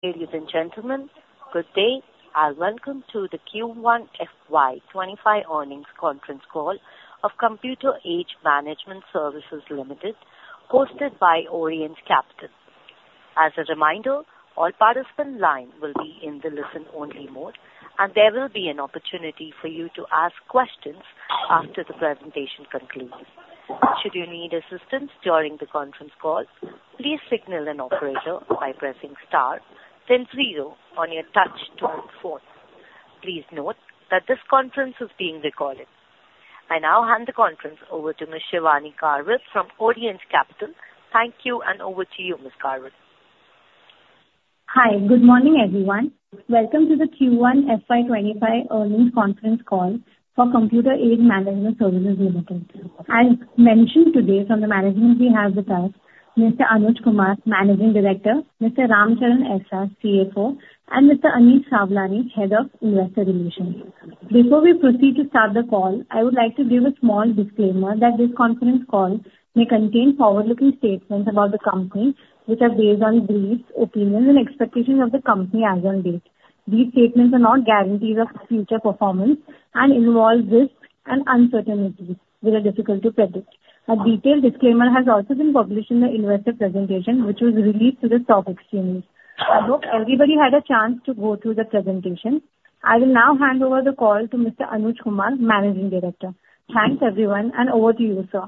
Ladies and gentlemen, good day, and welcome to the Q1 FY 2025 earnings conference call of Computer Age Management Services Limited, hosted by Orient Capital. As a reminder, all participants' lines will be in the listen-only mode, and there will be an opportunity for you to ask questions after the presentation concludes. Should you need assistance during the conference call, please signal an operator by pressing star then zero on your touch-tone phone. Please note that this conference is being recorded. I now hand the conference over to Ms. Shivani Kharvi from Orient Capital. Thank you, and over to you, Ms. Kharvi. Hi, good morning, everyone. Welcome to the Q1 FY 2025 earnings conference call for Computer Age Management Services Limited. As mentioned today, from the management, we have with us Mr. Anuj Kumar, Managing Director, Mr. Ram Charan Sesharaman, CFO, and Mr. Anish Sawlani, Head of Investor Relations. Before we proceed to start the call, I would like to give a small disclaimer that this conference call may contain forward-looking statements about the company, which are based on beliefs, opinions, and expectations of the company as of late. These statements are not guarantees of future performance and involve risks and uncertainties that are difficult to predict. A detailed disclaimer has also been published in the investor presentation, which was released to the top exchanges. I hope everybody had a chance to go through the presentation. I will now hand over the call to Mr. Anuj Kumar, Managing Director. Thanks, everyone, and over to you, sir.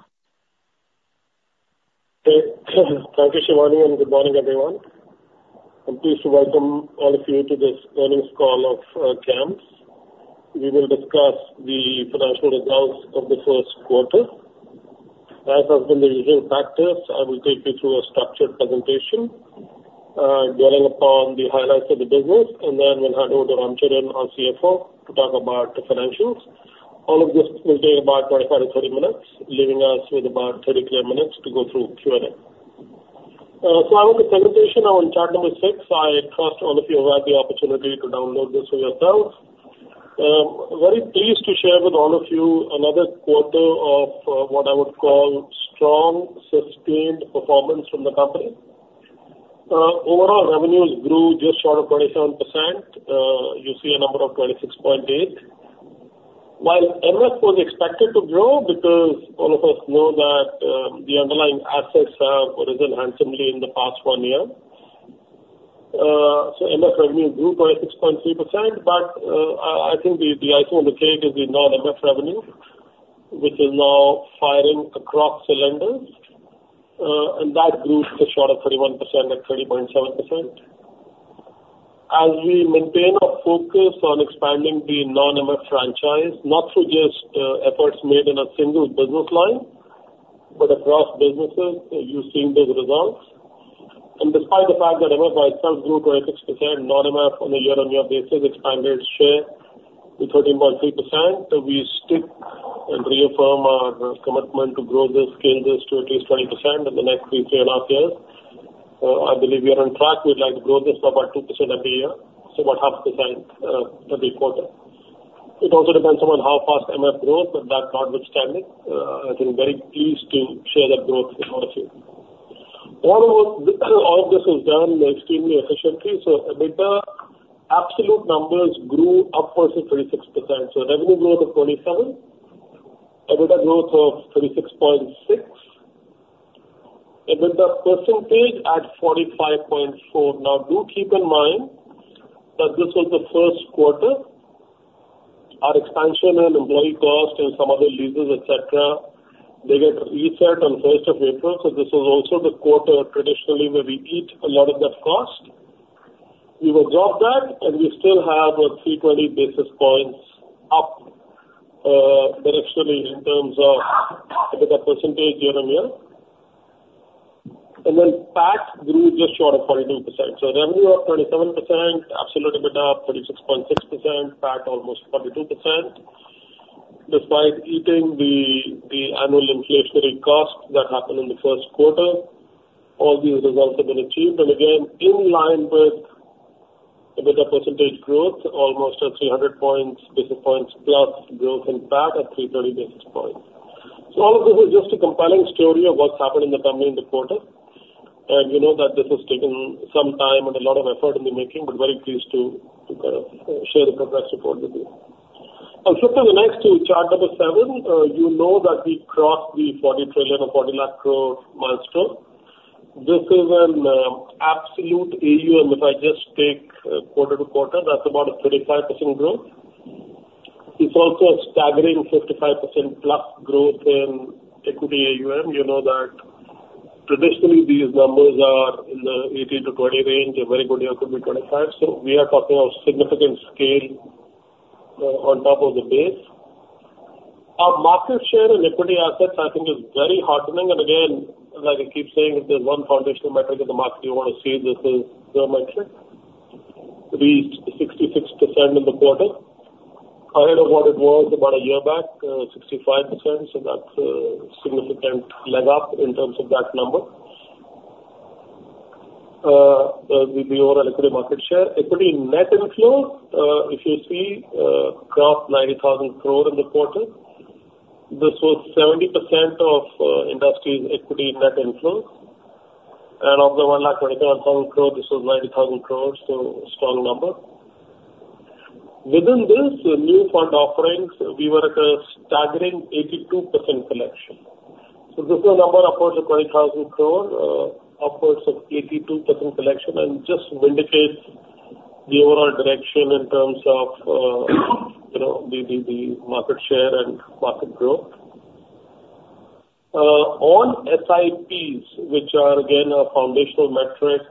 Thank you, Shivani, and good morning, everyone. I'm pleased to welcome all of you to this earnings call of CAMS. We will discuss the financial results of the first quarter. As has been the usual practice, I will take you through a structured presentation, going upon the highlights of the business, and then we'll hand over to Ram Charan, our CFO, to talk about the financials. All of this will take about 25-30 minutes, leaving us with about 30 minutes to go through Q&A. So I want to presentation on chart number six. I trust all of you have had the opportunity to download this for yourselves. I'm very pleased to share with all of you another quarter of what I would call strong, sustained performance from the company. Overall, revenues grew just short of 27%. You see a number of 26.8, while MF was expected to grow because all of us know that the underlying assets have risen handsomely in the past one year. So MF revenue grew 26.3%, but I think the icing on the cake is the non-MF revenue, which is now firing across the lenders, and that grew just short of 31% at 30.7%. As we maintain our focus on expanding the non-MF franchise, not through just efforts made in a single business line, but across businesses, you're seeing those results. And despite the fact that MF by itself grew 26%, non-MF on a year-on-year basis expanded share to 13.3%, we stick and reaffirm our commitment to grow this scale this to at least 20% in the next three, three and a half years. I believe we are on track. We'd like to grow this by about 2% every year, so about 0.5% every quarter. It also depends on how fast MF grows, but that's notwithstanding. I think very pleased to share that growth with all of you. All of this was done extremely efficiently. So EBITDA, absolute numbers grew upwards of 36%. So revenue growth of 27%, EBITDA growth of 36.6%, EBITDA percentage at 45.4%. Now, do keep in mind that this was the first quarter. Our expansion and employee cost and some other leases, etc., they get reset on 1st of April. So this was also the quarter traditionally where we eat a lot of that cost. We will drop that, and we still have a 320 basis points up directionally in terms of EBITDA percentage year-on-year. And then PAT grew just short of 42%. So revenue up 27%, absolute EBITDA up 36.6%, PAT almost 42%. Despite eating the annual inflationary cost that happened in the first quarter, all these results have been achieved. Again, in line with EBITDA percentage growth, almost 300 basis points plus growth in PAT at 330 basis points. So all of this is just a compelling story of what's happened in the company in the quarter. You know that this has taken some time and a lot of effort in the making, but very pleased to kind of share the progress report with you. I'll flip to the next two charts, number seven. You know that we crossed the 40 trillion or 40 lakh crore milestone. This is an absolute AUM; if I just take quarter to quarter, that's about a 35% growth. It's also a staggering 55%+ growth in equity AUM. You know that traditionally these numbers are in the 18-20 range. A very good year could be 25. So we are talking of significant scale on top of the base. Our market share in equity assets, I think, is very heartening. And again, like I keep saying, if there's one foundational metric in the market you want to see, this is the metric. We reached 66% in the quarter. Ahead of what it was about a year back, 65%. So that's a significant leg up in terms of that number. The overall equity market share. Equity net inflow, if you see, crossed 90,000 crore in the quarter. This was 70% of industry's equity net inflow. And of the 121,000 crore, this was 90,000 crore, so a strong number. Within this, new fund offerings, we were at a staggering 82% collection. So this is a number upwards of 20,000 crore, upwards of 82% collection, and just vindicates the overall direction in terms of the market share and market growth. On SIPs, which are again a foundational metric,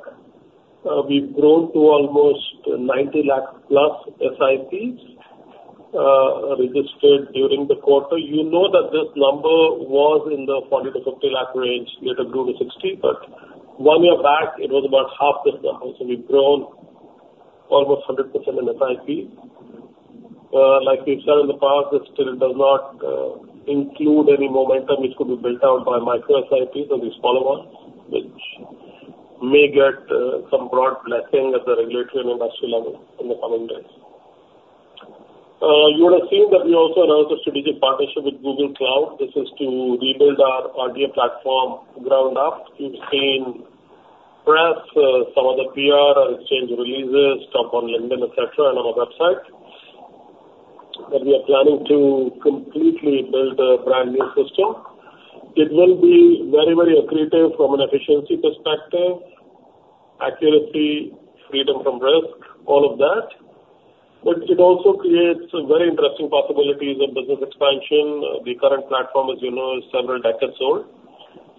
we've grown to almost 90+ lakh SIPs registered during the quarter. You know that this number was in the 40 lakh- 50 lakh range year-to-year to 60, but one year back, it was about half this number. So we've grown almost 100% in SIPs. Like we've said in the past, this still does not include any momentum. It could be built out by micro SIPs or these smaller ones, which may get some broad blessing at the regulatory and industry level in the coming days. You would have seen that we also announced a strategic partnership with Google Cloud. This is to rebuild our RTA platform ground up. You've seen press, some of the PR, our exchange releases, stuff on LinkedIn, etc., and on our website. But we are planning to completely build a brand new system. It will be very, very accretive from an efficiency perspective, accuracy, freedom from risk, all of that. But it also creates very interesting possibilities of business expansion. The current platform, as you know, is several decades old.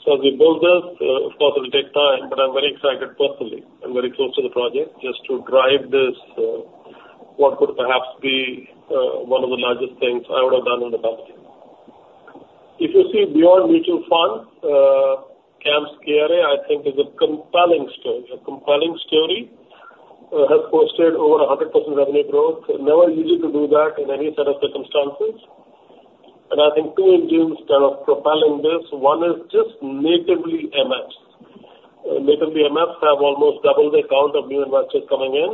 So as we build this, of course, it will take time, but I'm very excited personally. I'm very close to the project just to drive this, what could perhaps be one of the largest things I would have done in the company. If you see beyond mutual funds, CAMS KRA, I think, is a compelling story. A compelling story has posted over 100% revenue growth. Never easy to do that in any set of circumstances. And I think two engines that are propelling this. One is just natively MF. Natively MF have almost double the count of new investors coming in.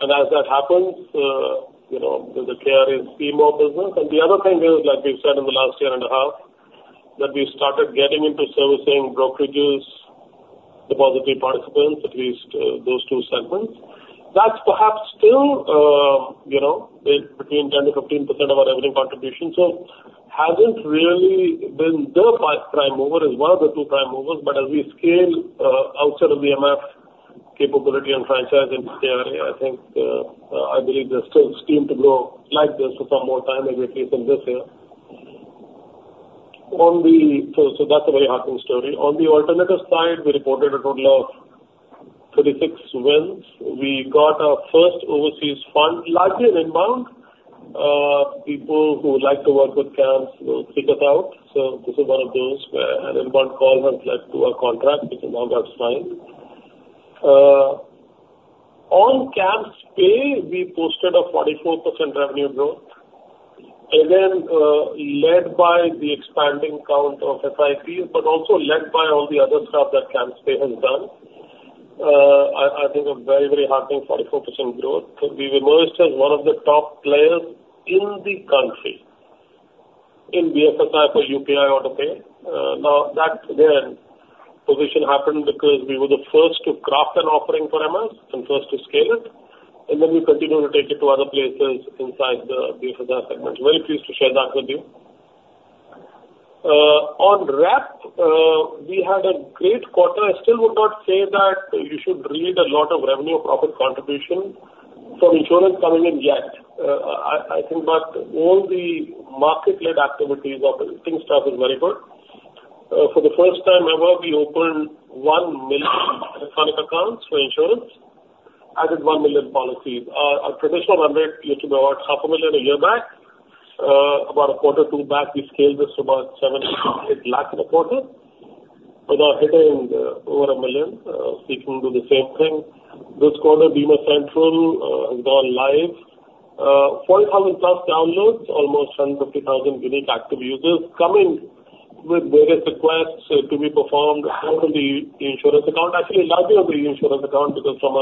And as that happens, the KRA is a core business. And the other thing is, like we've said in the last year and a half, that we've started getting into servicing brokerages, depository participants, at least those two segments. That's perhaps still between 10%-15% of our revenue contribution. So it hasn't really been the prime mover. It's one of the two prime movers. But as we scale outside of the MF capability and franchise in KRA, I think I believe there's still steam to go like this for some more time, maybe at least in this year. So that's a very heartening story. On the alternative side, we reported a total of 36 wins. We got our first overseas fund. Largely an inbound. People who would like to work with CAMS will seek us out. So this is one of those where an inbound call has led to a contract, which has now got signed. On CAMSPay, we posted a 44% revenue growth, again, led by the expanding count of SIPs, but also led by all the other stuff that CAMSPay has done. I think a very, very heartening 44% growth. We were merged as one of the top players in the country in BFSI for UPI AutoPay. Now, that again, position happened because we were the first to craft an offering for MF and first to scale it. And then we continued to take it to other places inside the BFSI segment. Very pleased to share that with you. On REP, we had a great quarter. I still would not say that you should read a lot of revenue or profit contribution from insurance coming in yet. I think about all the market-led activities of everything. Stuff is very good. For the first time ever, we opened 1 million electronic accounts for insurance, added 1 million policies. Our traditional run rate used to be about 500,000 a year back. About a quarter or two back, we scaled this to about 700,000 lakh- 800,000 lakh in a quarter, without hitting over a million. Speaking to the same thing, this quarter, Bima Central has gone live. 40,000+ downloads, almost 150,000 unique active users coming with various requests to be performed on the insurance account. Actually, largely on the insurance account because from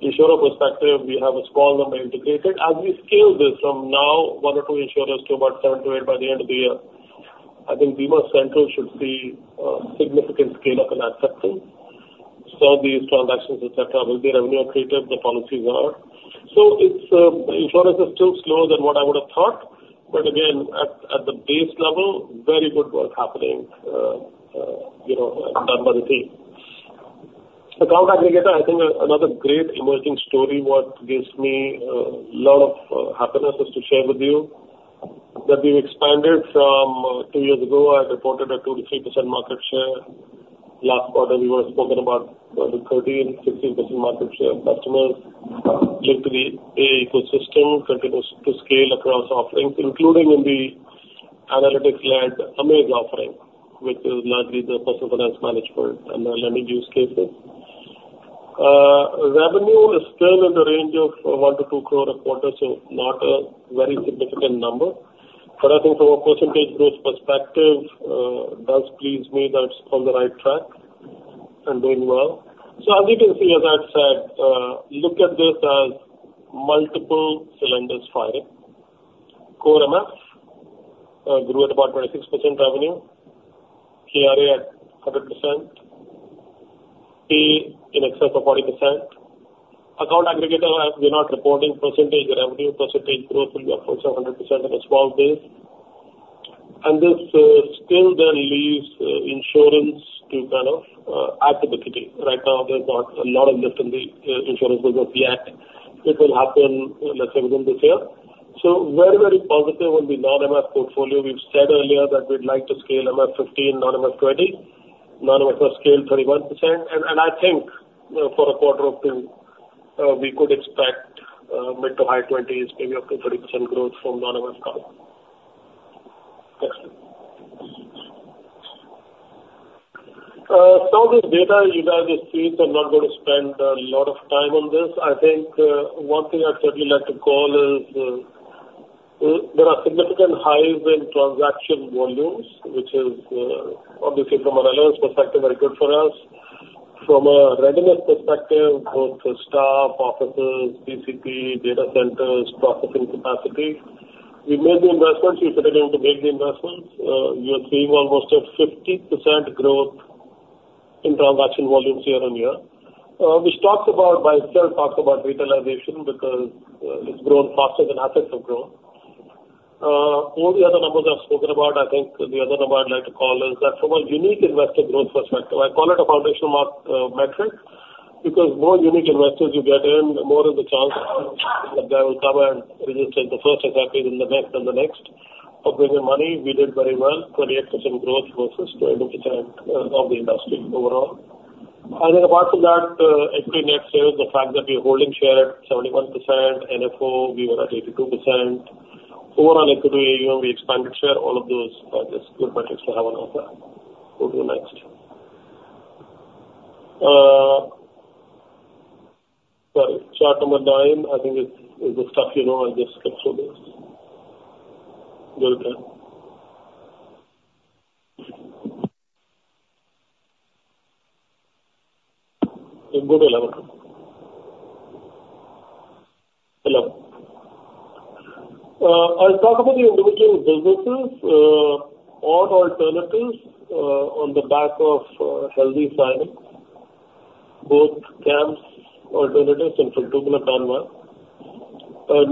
an insurer perspective, we have a small number integrated. As we scale this from now, one or two insurers to about seven to eight by the end of the year, I think Bima Central should see significant scale-up and acceptance. Some of these transactions, etc., will be revenue-accretive. The policies are. So insurance is still slower than what I would have thought. But again, at the base level, very good work happening done by the team. Account aggregator, I think another great emerging story, what gives me a lot of happiness is to share with you that we've expanded from two years ago. I reported a 2%-3% market share. Last quarter, we were spoken about 30% and 16% market share of customers. Linked to the AA ecosystem continues to scale across offerings, including in the analytics-led Amaze offering, which is largely the personal finance management and the lending use cases. Revenue is still in the range of 1 crore-2 crore a quarter, so not a very significant number. But I think from a percentage growth perspective, it does please me that it's on the right track and doing well. So as you can see, as I've said, look at this as multiple cylinders firing. Core MF grew at about 26% revenue. KRA at 100%. P in excess of 40%. Account aggregator, as we're not reporting percentage revenue, percentage growth will be upwards of 100% in a small base. And this still then leaves insurance to kind of add to the kitty. Right now, there's not a lot of lift in the insurance business yet. It will happen, let's say, within this year. So very, very positive on the non-MS portfolio. We've said earlier that we'd like to scale MF 15, non-MS 20. Non-MS has scaled 31%. I think for a quarter or two, we could expect mid- to high-20s, maybe up to 30% growth from non-MS column. Excellent. Some of the data you guys have seen, so I'm not going to spend a lot of time on this. I think one thing I'd certainly like to call is there are significant highs in transaction volumes, which is obviously from a relevance perspective, very good for us. From a readiness perspective, both staff, offices, BCP, data centers, processing capacity. We made the investments. We're continuing to make the investments. You're seeing almost 50% growth in transaction volumes year-on-year, which talks about by itself, talks about utilization because it's grown faster than assets have grown. All the other numbers I've spoken about, I think the other number I'd like to call is that from a unique investor growth perspective, I call it a foundational metric because more unique investors you get in, the more is the chance that they will come and register the first SIPs and the next and the next of bringing money. We did very well. 28% growth versus 20% of the industry overall. I think apart from that, equity net sales, the fact that we are holding share at 71%, NFO, we were at 82%. Overall equity AUM, we expanded share. All of those are just good metrics to have an offer. We'll do next. Sorry. Chart number nine, I think is the stuff you know. I just skipped through this. Go again. Google Cloud. Hello. I'll talk about the individual businesses or alternatives on the back of healthy signing, both CAMS Alternatives and from Fintuple.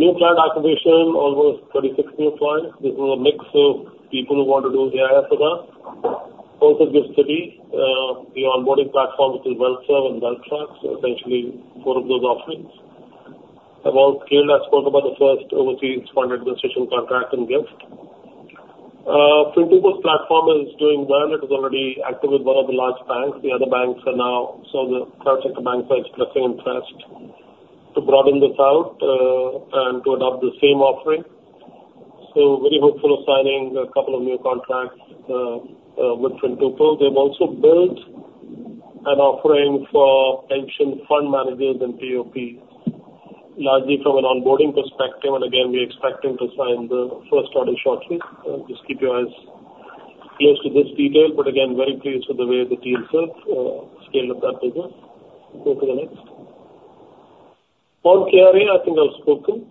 New client acquisition, almost 36 new clients. This is a mix of people who want to do AIFs with us. Also GIFT City. The onboarding platform, which is well served and wealth truck so essentially four of those offerings. I've all scaled. I spoke about the first overseas fund administration contract and GIFT. Fintuple's platform is doing well. It is already active with one of the large banks. The other banks are now, some of the private sector banks are expressing interest to broaden this out and to adopt the same offering. So very hopeful of signing a couple of new contracts with Fintuple. They've also built an offering for pension fund managers and POPs, largely from an onboarding perspective. And again, we're expecting to sign the first audit shortly. Just keep your eyes closed to this detail. But again, very pleased with the way the team's scaled up that business. Go to the next. On KRA, I think I've spoken.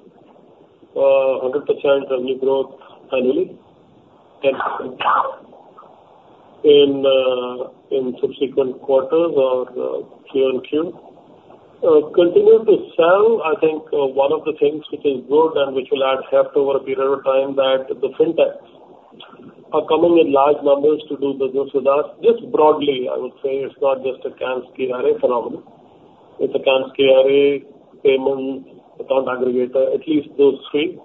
100% revenue growth annually. 10% in subsequent quarters or Q and Q. Continue to sell. I think one of the things which is good and which will add heft over a period of time is that the fintechs are coming in large numbers to do business with us. Just broadly, I would say it's not just a CAMS KRA phenomenon. It's a CAMS KRA payment account aggregator, at least those three.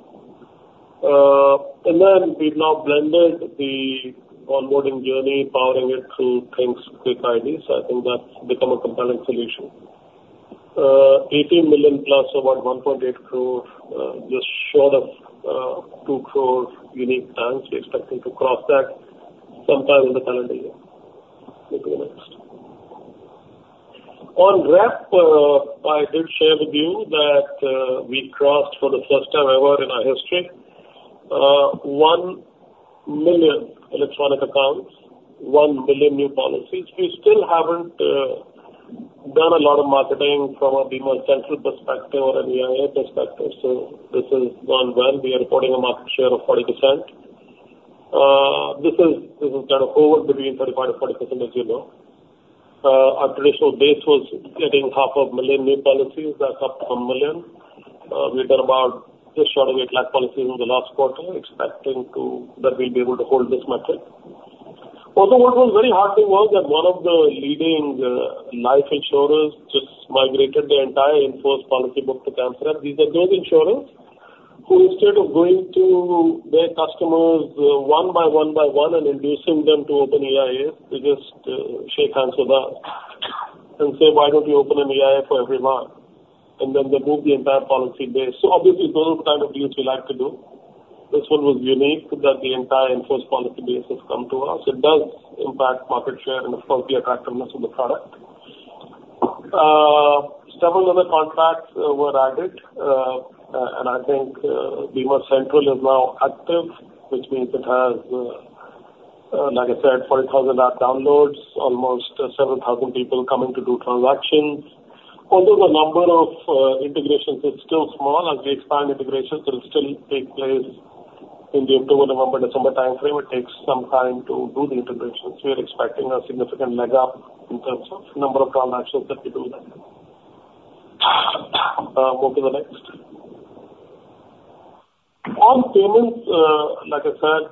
And then we've now blended the onboarding journey, powering it through things. So I think that's become a compelling solution. 18+ million, about 1.8 crore, just short of 2 crore unique banks. We're expecting to cross that sometime in the calendar year. Go to the next. On REP, I did share with you that we crossed for the first time ever in our history, 1 million electronic accounts, 1 million new policies. We still haven't done a lot of marketing from a Bima Central perspective or an EIA perspective. So this has gone well. We are reporting a market share of 40%. This is kind of over between 35%-40%, as you know. Our traditional base was getting 500,000 new policies. That's up to 1 million. We've done about just short of 8 lakh policies in the last quarter, expecting that we'll be able to hold this metric. Also, what was very heartening was that one of the leading life insurers just migrated their entire in-force policy book to CAMS REP. These are those insurers who, instead of going to their customers one by one by one and inducing them to open EIAs, they just shake hands with us and say, "Why don't you open an EIA for everyone?" And then they move the entire policy base. So obviously, those are the kind of deals we like to do. This one was unique that the entire in-force policy base has come to us. It does impact market share and, of course, the attractiveness of the product. Several other contracts were added. And I think Bima Central is now active, which means it has, like I said, 40,000 app downloads, almost 7,000 people coming to do transactions. Although the number of integrations is still small, as we expand integrations, it will still take place in the October, November, December timeframe. It takes some time to do the integrations. We are expecting a significant leg up in terms of number of transactions that we do. Move to the next. On payments, like I said,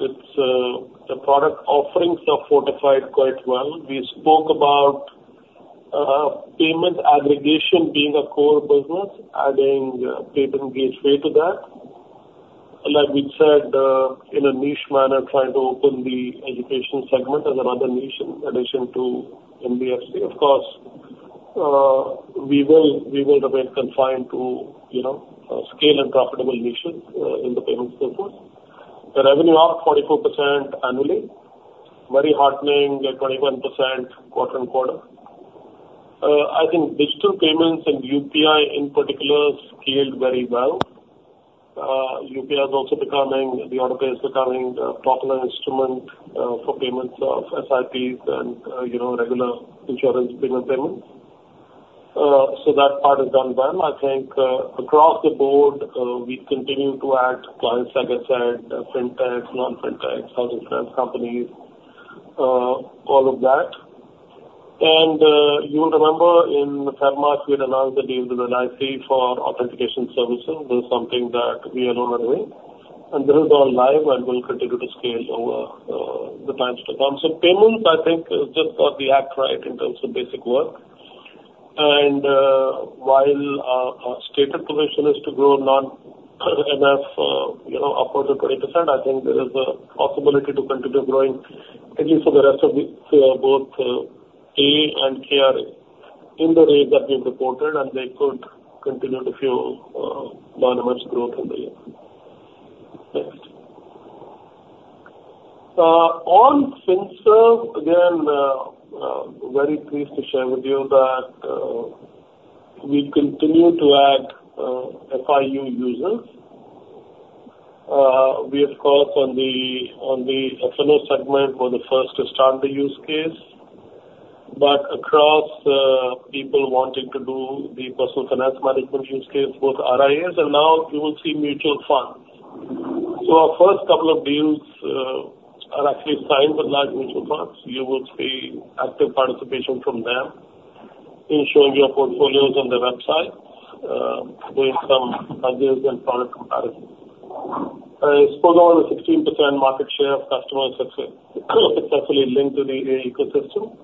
the product offerings are fortified quite well. We spoke about payment aggregation being a core business, adding payment gateway to that. Like we said, in a niche manner, trying to open the education segment as another niche in addition to MBFC. Of course, we will remain confined to scale and profitable niches in the payment business. The revenue up 44% annually. Very heartening, 21% quarter-over-quarter. I think digital payments and UPI in particular scaled very well. UPI is also becoming the autopay is becoming a popular instrument for payments of SIPs and regular insurance payment payments. So that part has done well. I think across the board, we continue to add clients, like I said, fintechs, non-fintechs, housing finance companies, all of that. And you will remember in FY 2024, we had announced the deal with IC for authentication services. This is something that we are no longer doing. And this is all live, and we'll continue to scale over the times to come. So payments, I think, is just got the act right in terms of basic work. And while our stated position is to grow non-MF upwards of 20%, I think there is a possibility to continue growing, at least for the rest of both AIF and KRA, in the rate that we've reported, and they could continue to fuel non-MF growth in the year. Next. On FinServ, again, very pleased to share with you that we continue to add FIU users. We, of course, on the F&O segment were the first to start the use case. But across people wanting to do the personal finance management use case, both RIAs and now you will see mutual funds. So our first couple of deals are actually signed with large mutual funds. You will see active participation from them in showing your portfolios on their website, doing some hundreds and product comparisons. I spoke about the 16% market share of customers successfully linked to the AA ecosystem.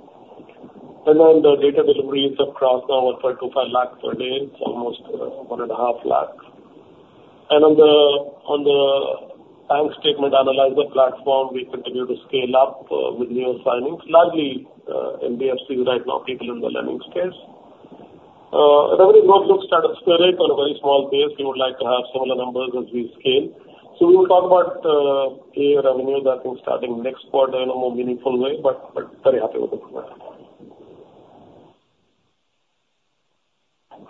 And then the data deliveries have crossed now at 32,000 lakh per day. It's almost 1.5 lakh. And on the bank statement analyzer platform, we continue to scale up with new signings, largely NBFCs right now, people in the lending space. Revenue growth looks stratospheric on a very small base. We would like to have similar numbers as we scale. So we will talk about AI revenue, I think, starting next quarter in a more meaningful way, but very happy with it.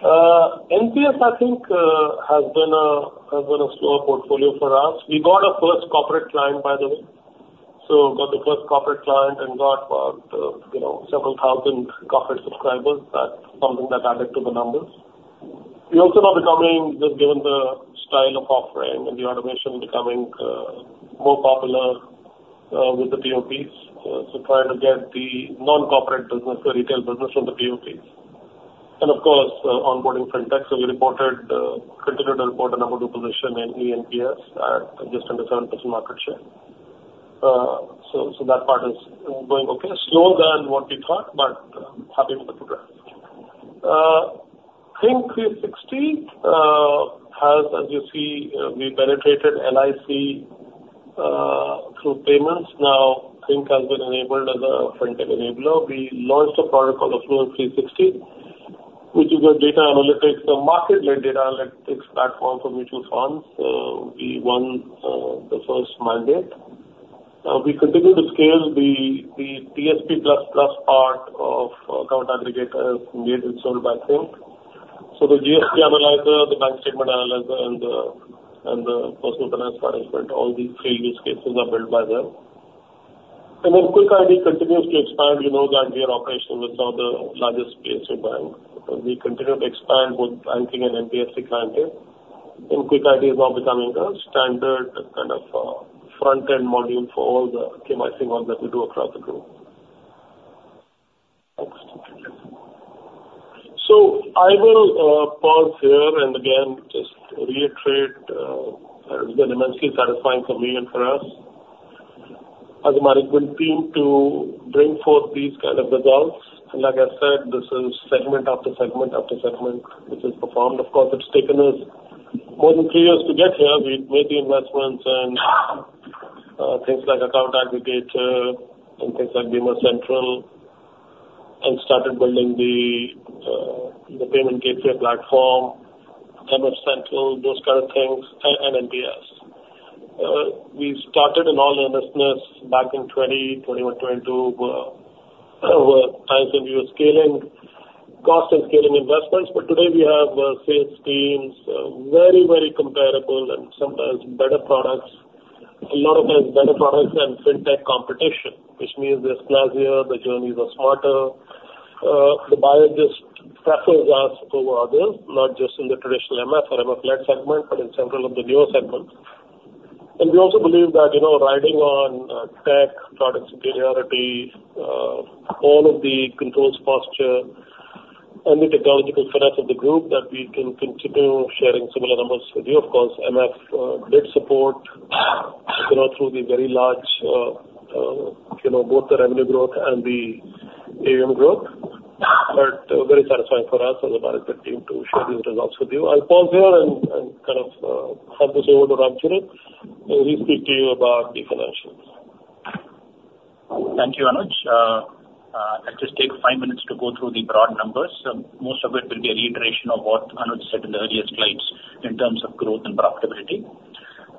NPS, I think, has been a slower portfolio for us. We got a first corporate client, by the way. So got the first corporate client and got about several thousand corporate subscribers. That's something that added to the numbers. We're also now becoming, just given the style of offering and the automation becoming more popular with the POPs, so trying to get the non-corporate business, the retail business, from the POPs. And of course, onboarding fintechs. So we reported, continued to report a number of new positions in ENPS at just under 7% market share. So that part is going okay. Slower than what we thought, but happy with the progress. Think360 has, as you see, we penetrated LIC through payments. Now, Think has been enabled as a fintech enabler. We launched a product called Affluent360, which is a data analytics, a market-led data analytics platform for mutual funds. We won the first mandate. We continue to scale the TSP++ part of account aggregators made and sold by Think. So the GST analysis, the bank statement analysis, and the personal finance management, all these three use cases are built by them. And then KwikID continues to expand. You know that we are operating with some of the largest PSU bank. We continue to expand both banking and NBFC clientele. And KwikID is now becoming a standard kind of front-end module for all the KYC work that we do across the group. Next. So I will pause here and again just reiterate that it has been immensely satisfying for me and for us as a management team to bring forth these kind of results. And like I said, this is segment after segment after segment which has performed. Of course, it's taken us more than three years to get here. We've made the investments in things like account aggregator and things like Bima Central and started building the payment gateway platform, MFCentral, those kind of things, and NPS. We started in all earnestness back in 2021, 2022, were times when we were scaling costs and scaling investments. But today we have sales teams very, very comparable and sometimes better products. A lot of times better products than fintech competition, which means the explanation here, the journeys are smarter. The buyer just prefers us over others, not just in the traditional MF or MF-led segment, but in several of the newer segments. And we also believe that riding on tech product superiority, all of the controls posture, and the technological finesse of the group that we can continue sharing similar numbers with you. Of course, MF did support through the very large both the revenue growth and the AUM growth. But very satisfying for us as a management team to share these results with you. I'll pause here and kind of have this over to Ram Charan, and he'll speak to you about the financials. Thank you, Anuj. I'll just take five minutes to go through the broad numbers. Most of it will be a reiteration of what Anuj said in the earlier slides in terms of growth and profitability.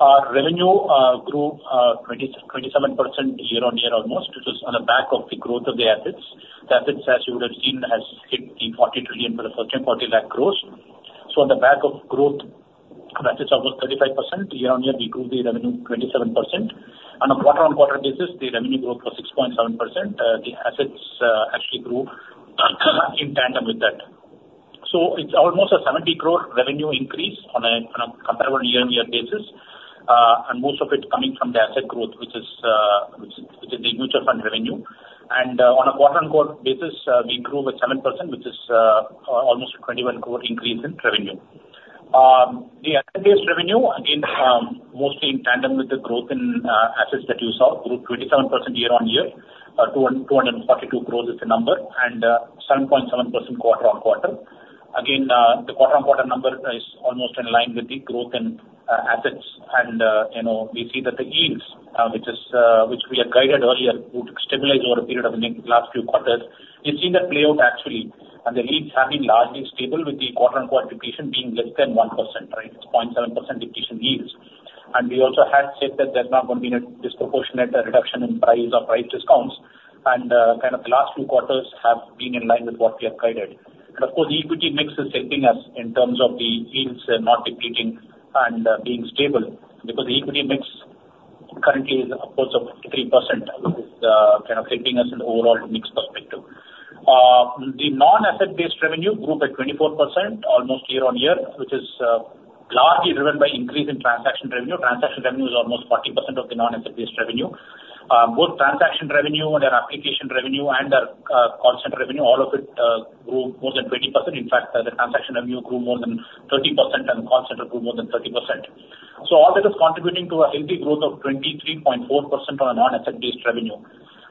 Our revenue grew 27% year-over-year almost, which is on the back of the growth of the assets. The assets, as you would have seen, has hit 40 trillion for the first time, 40 lakh crore gross. So on the back of growth of assets of 35% year-over-year, we grew the revenue 27%. On a quarter-over-quarter basis, the revenue growth was 6.7%. The assets actually grew in tandem with that. So it's almost a 70 crore revenue increase on a comparable year-over-year basis, and most of it coming from the asset growth, which is the mutual fund revenue. And on a quarter-over-quarter basis, we grew with 7%, which is almost a 21 crore increase in revenue. The asset-based revenue, again, mostly in tandem with the growth in assets that you saw, grew 27% year-over-year. 242 crore is the number, and 7.7% quarter-over-quarter. Again, the quarter-on-quarter number is almost in line with the growth in assets. We see that the yields, which we had guided earlier, would stabilize over a period of the last few quarters. We've seen that play out actually, and the yields have been largely stable with the quarter-on-quarter depletion being less than 1%, right? It's 0.7% depletion yields. We also had said that there's not going to be any disproportionate reduction in price or price discounts. Kind of the last few quarters have been in line with what we have guided. Of course, the equity mix is helping us in terms of the yields not depleting and being stable because the equity mix currently is upwards of 3%, which is kind of helping us in the overall mix perspective. The non-asset-based revenue grew by 24% almost year-on-year, which is largely driven by increase in transaction revenue. Transaction revenue is almost 40% of the non-asset-based revenue. Both transaction revenue and their application revenue and their call center revenue, all of it grew more than 20%. In fact, the transaction revenue grew more than 30% and the call center grew more than 30%. So all that is contributing to a healthy growth of 23.4% on a non-asset-based revenue.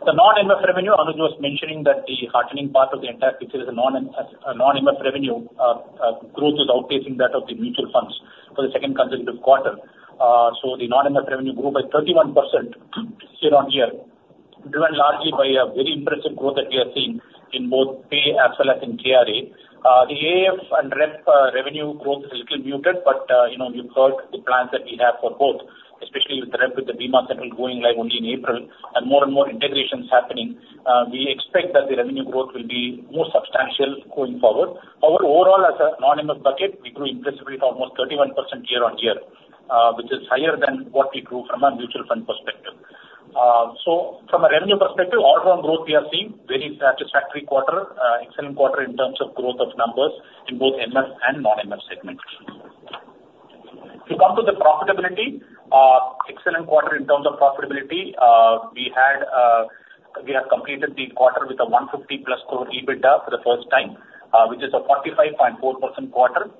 The non-MF revenue, Anuj was mentioning that the heartening part of the entire picture is the non-MF revenue growth is outpacing that of the mutual funds for the second consecutive quarter. So the non-MF revenue grew by 31% year-on-year, driven largely by a very impressive growth that we have seen in both pay as well as in KRA. The AIF and REP revenue growth is a little muted, but you've heard the plans that we have for both, especially with the REP with the Bima Central going live only in April and more and more integrations happening. We expect that the revenue growth will be more substantial going forward. However, overall, as a non-MF bucket, we grew impressively to almost 31% year-over-year, which is higher than what we grew from a mutual fund perspective. So from a revenue perspective, all-round growth we are seeing. Very satisfactory quarter, excellent quarter in terms of growth of numbers in both MF and non-MF segments. We come to the profitability. Excellent quarter in terms of profitability. We have completed the quarter with an 150+ crore EBITDA for the first time, which is a 45.4% quarter.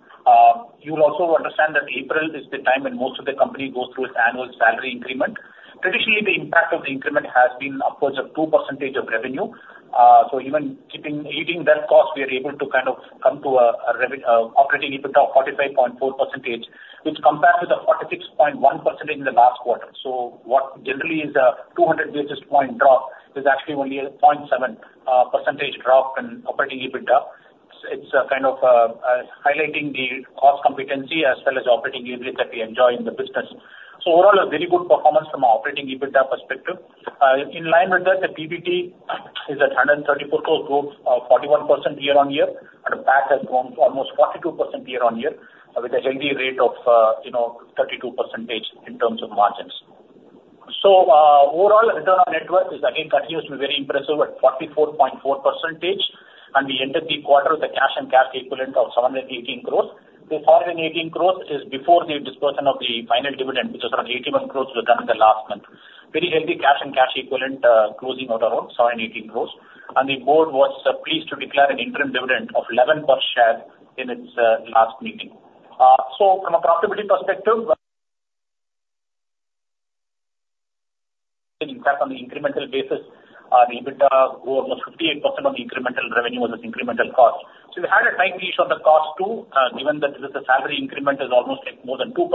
You will also understand that April is the time when most of the company goes through its annual salary increment. Traditionally, the impact of the increment has been upwards of 2% of revenue. So even keeping that cost, we are able to kind of come to an operating EBITDA of 45.4%, which compares with the 46.1% in the last quarter. So what generally is a 200 basis point drop is actually only a 0.7% drop in operating EBITDA. It's kind of highlighting the cost competency as well as operating EBITDA that we enjoy in the business. So overall, a very good performance from an operating EBITDA perspective. In line with that, the PBT is at 134 crore growth of 41% year-on-year, and the PAT has grown almost 42% year-on-year with a healthy rate of 32% in terms of margins. So overall, return on net worth is, again, continues to be very impressive at 44.4%. And we ended the quarter with a cash and cash equivalent of 718 gross. This 718 gross is before the disbursement of the final dividend, which was around 81 gross within the last month. Very healthy cash and cash equivalent closing out around 718 gross. And the board was pleased to declare an interim dividend of 11 per share in its last meeting. So from a profitability perspective, in fact, on the incremental basis, the EBITDA grew almost 58% on the incremental revenue versus incremental cost. So we had a tight niche on the cost too, given that this is a salary increment, is almost more than 2%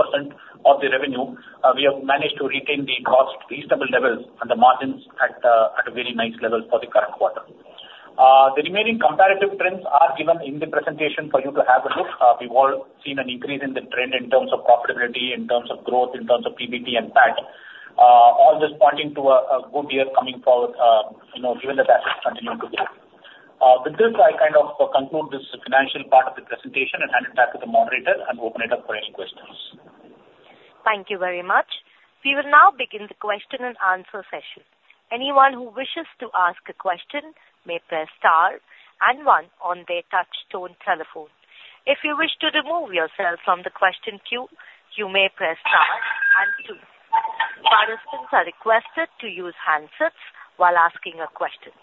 of the revenue. We have managed to retain the cost reasonable levels and the margins at a very nice level for the current quarter. The remaining comparative trends are given in the presentation for you to have a look. We've all seen an increase in the trend in terms of profitability, in terms of growth, in terms of PBT and PAT, all just pointing to a good year coming forward, given that the assets continue to grow. With this, I kind of conclude this financial part of the presentation and hand it back to the moderator and open it up for any questions. Thank you very much. We will now begin the question and answer session. Anyone who wishes to ask a question may press star and one on their touch-tone telephone. If you wish to remove yourself from the question queue, you may press star and two. Participants are requested to use handsets while asking a question.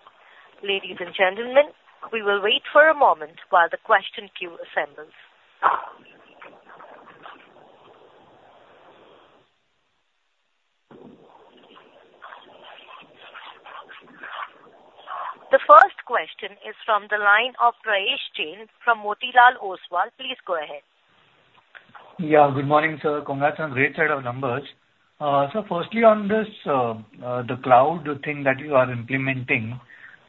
Ladies and gentlemen, we will wait for a moment while the question queue assembles. The first question is from the line of Prayesh Jain from Motilal Oswal. Please go ahead. Yeah, good morning, sir. Congrats on great set of numbers. So firstly, on this, the cloud thing that you are implementing,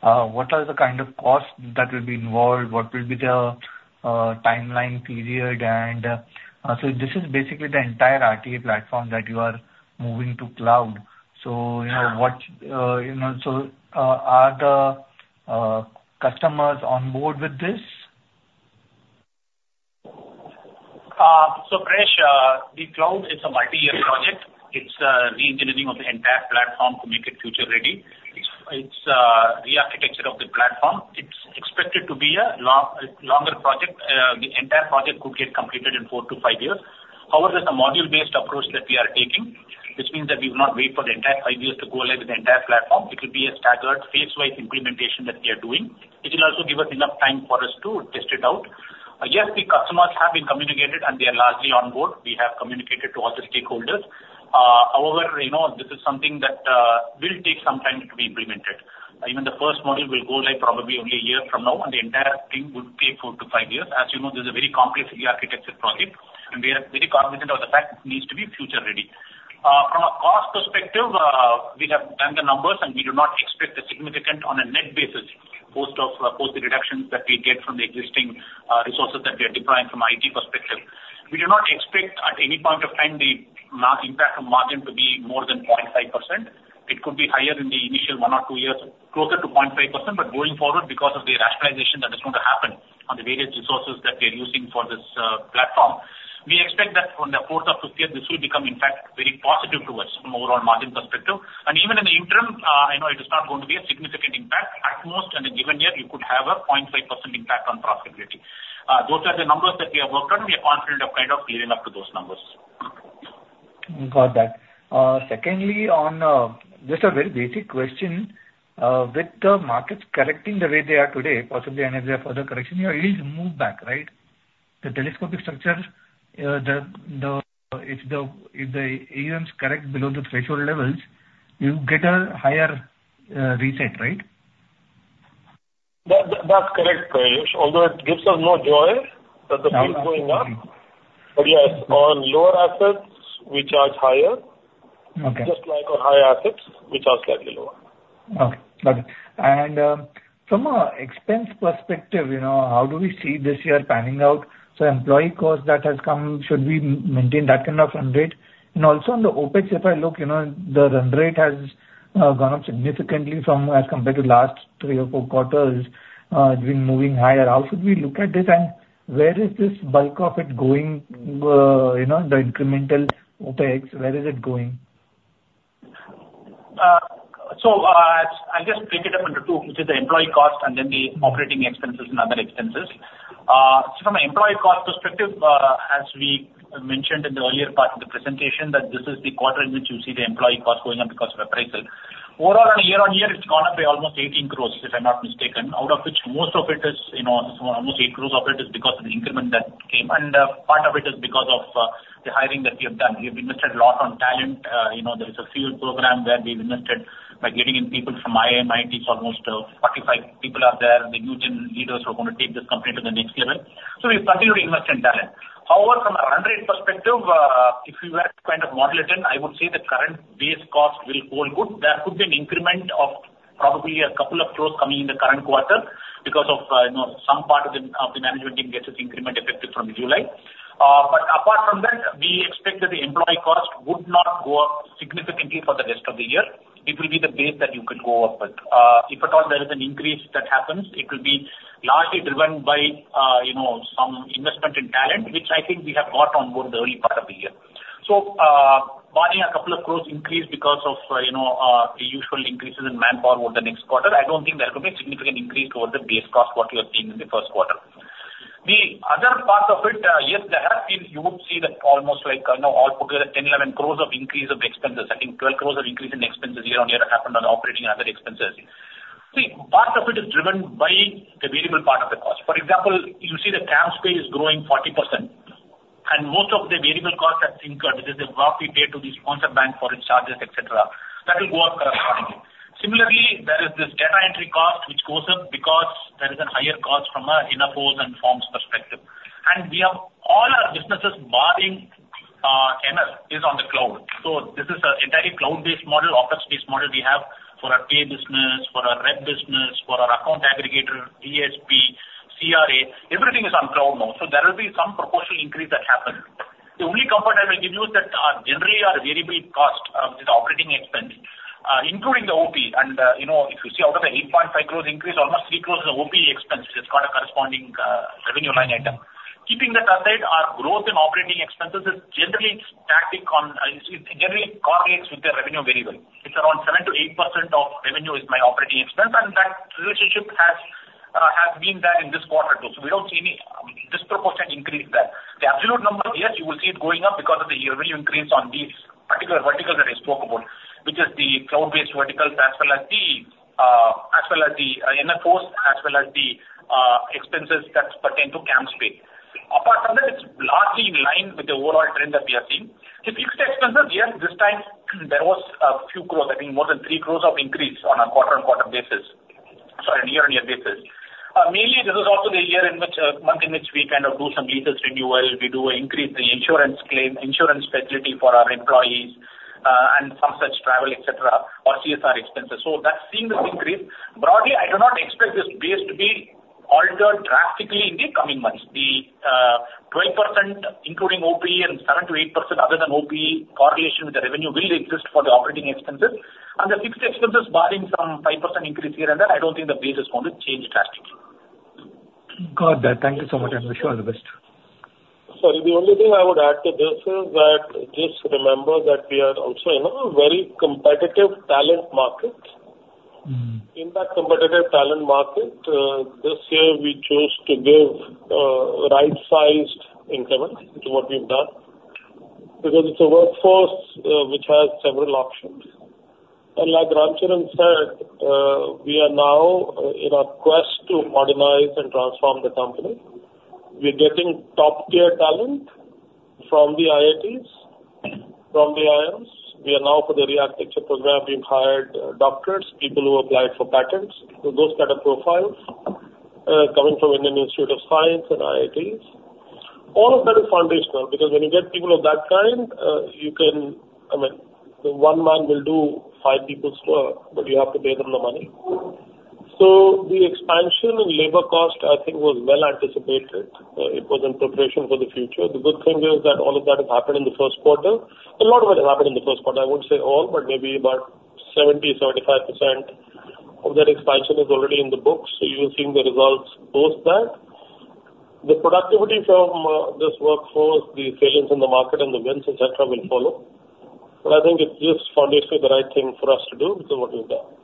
what are the kind of costs that will be involved? What will be the timeline period? And so this is basically the entire RTA platform that you are moving to cloud. So what are the customers on board with this? So Prayesh, the cloud is a multi-year project. It's a re-engineering of the entire platform to make it future-ready. It's a re-architecture of the platform. It's expected to be a longer project. The entire project could get completed in four to five years. However, it's a module-based approach that we are taking, which means that we will not wait for the entire five years to go live with the entire platform. It will be a staggered phase-wise implementation that we are doing. It will also give us enough time for us to test it out. Yes, the customers have been communicated, and they are largely on board. We have communicated to all the stakeholders. However, this is something that will take some time to be implemented. Even the first model will go live probably only a year from now, and the entire thing would take four to five years. As you know, this is a very complex re-architecture project, and we are very cognizant of the fact it needs to be future-ready. From a cost perspective, we have done the numbers, and we do not expect a significant on a net basis post the reductions that we get from the existing resources that we are deploying from an IT perspective. We do not expect at any point of time the impact of margin to be more than 0.5%. It could be higher in the initial one or two years, closer to 0.5%, but going forward, because of the rationalization that is going to happen on the various resources that we are using for this platform, we expect that from the fourth or fifth year, this will become, in fact, very positive to us from an overall margin perspective. And even in the interim, I know it is not going to be a significant impact. At most, in a given year, you could have a 0.5% impact on profitability. Those are the numbers that we have worked on, and we are confident of kind of clearing up to those numbers. Got that. Secondly, on just a very basic question, with the markets correcting the way they are today, possibly any of the further correction here, it is a move back, right? The telescopic structure, if the AUMs correct below the threshold levels, you get a higher reset, right? That's correct, Prayesh. Although it gives us more joy that the field is going up, but yes, on lower assets, which are higher, just like on higher assets, which are slightly lower. Okay. Got it. And from an expense perspective, how do we see this year panning out? So employee cost that has come, should we maintain that kind of run rate? And also on the OpEx, if I look, the run rate has gone up significantly as compared to last three or four quarters. It's been moving higher. How should we look at this? And where is this bulk of it going? The incremental OpEx, where is it going? So I guess break it up into two, which is the employee cost and then the operating expenses and other expenses. So from an employee cost perspective, as we mentioned in the earlier part of the presentation, that this is the quarter in which you see the employee cost going up because of appraisal. Overall, on a year-on-year, it's gone up by almost 18 crore, if I'm not mistaken, out of which most of it is almost 8 crore of it is because of the increment that came. And part of it is because of the hiring that we have done. We have invested a lot on talent. There is a field program where we've invested by getting in people from IIM, IIT. It's almost 45 people out there. The new leaders who are going to take this company to the next level. So we've continued to invest in talent. However, from a run rate perspective, if you had kind of modeled it in, I would say the current base cost will hold good. There could be an increment of probably 2 crore coming in the current quarter because of some part of the management team gets its increment effective from July. But apart from that, we expect that the employee cost would not go up significantly for the rest of the year. It will be the base that you could go up with. If at all there is an increase that happens, it will be largely driven by some investment in talent, which I think we have got on board the early part of the year. So barring a couple of gross increase because of the usual increases in manpower over the next quarter, I don't think there will be a significant increase towards the base cost, what we have seen in the first quarter. The other part of it, yes, there has been. You would see that almost like all together, 10, 11 gross of increase of expenses. I think 12 gross of increase in expenses year-on-year happened on operating and other expenses. See, part of it is driven by the variable part of the cost. For example, you see the CAMSPay growing 40%, and most of the variable costs that incurred, which is the work we pay to these sponsor banks for its charges, etc., that will go up correspondingly. Similarly, there is this data entry cost, which goes up because there is a higher cost from an NFOs and folios perspective. All our businesses, barring MF, is on the cloud. This is an entirely cloud-based model, office-based model we have for our pay business, for our REP business, for our account aggregator, DSP, CRA. Everything is on cloud now. There will be some proportional increase that happens. The only comfort I will give you is that generally, our variable cost, which is operating expense, including the OP, and if you see out of the 8.5 gross increase, almost 3 gross is OP expenses. It's got a corresponding revenue line item. Keeping that aside, our growth in operating expenses is generally static on generally correlates with the revenue variable. It's around 7%-8% of revenue is my operating expense, and that relationship has been there in this quarter too. We don't see any disproportionate increase there. The absolute number, yes, you will see it going up because of the revenue increase on these particular verticals that I spoke about, which is the cloud-based verticals as well as the NFOs, as well as the expenses that pertain to CAMSPay. Apart from that, it's largely in line with the overall trend that we are seeing. The fixed expenses, yes, this time there was a few crore, I think more than 3 crore of increase on a quarter-on-quarter basis, sorry, year-on-year basis. Mainly, this is also the year in which month in which we kind of do some leases renewal. We do increase the insurance facility for our employees and some such travel, etc., or CSR expenses. So that's seeing this increase. Broadly, I do not expect this base to be altered drastically in the coming months. The 12%, including OP and 7%-8% other than OP, correlation with the revenue will exist for the operating expenses. The fixed expenses, barring some 5% increase here and there, I don't think the base is going to change drastically. Got that. Thank you so much. I wish you all the best. Sorry, the only thing I would add to this is that just remember that we are also in a very competitive talent market. In that competitive talent market, this year we chose to give right-sized increment to what we've done because it's a workforce which has several options. Like Ram Charan said, we are now in a quest to modernize and transform the company. We're getting top-tier talent from the IITs, from the IIMs. We are now, for the re-architecture program, we've hired doctors, people who applied for patents, those kind of profiles coming from Indian Institute of Science and IITs. All of that is foundational because when you get people of that kind, you can, I mean, one man will do five people's work, but you have to pay them the money. So the expansion in labor cost, I think, was well anticipated. It was in preparation for the future. The good thing is that all of that has happened in the first quarter. A lot of it has happened in the first quarter. I wouldn't say all, but maybe about 70%-75% of that expansion is already in the books. So you're seeing the results post that. The productivity from this workforce, the salience in the market and the wins, etc., will follow. But I think it's just foundationally the right thing for us to do with what we've done.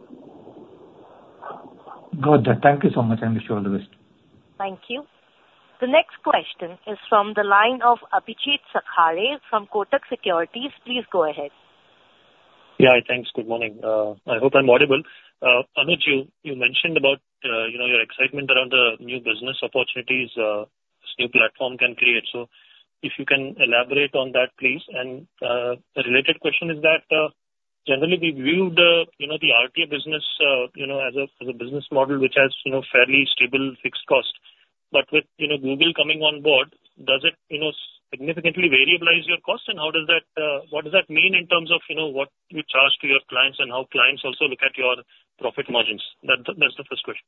Got that. Thank you so much. I wish you all the best. Thank you. The next question is from the line of Abhijeet Sakhare from Kotak Securities. Please go ahead. Yeah, thanks. Good morning. I hope I'm audible. Anuj, you mentioned about your excitement around the new business opportunities this new platform can create. So if you can elaborate on that, please. And the related question is that generally, we viewed the RTA business as a business model which has fairly stable fixed cost. But with Google coming on board, does it significantly variabilize your cost? And what does that mean in terms of what you charge to your clients and how clients also look at your profit margins? That's the first question.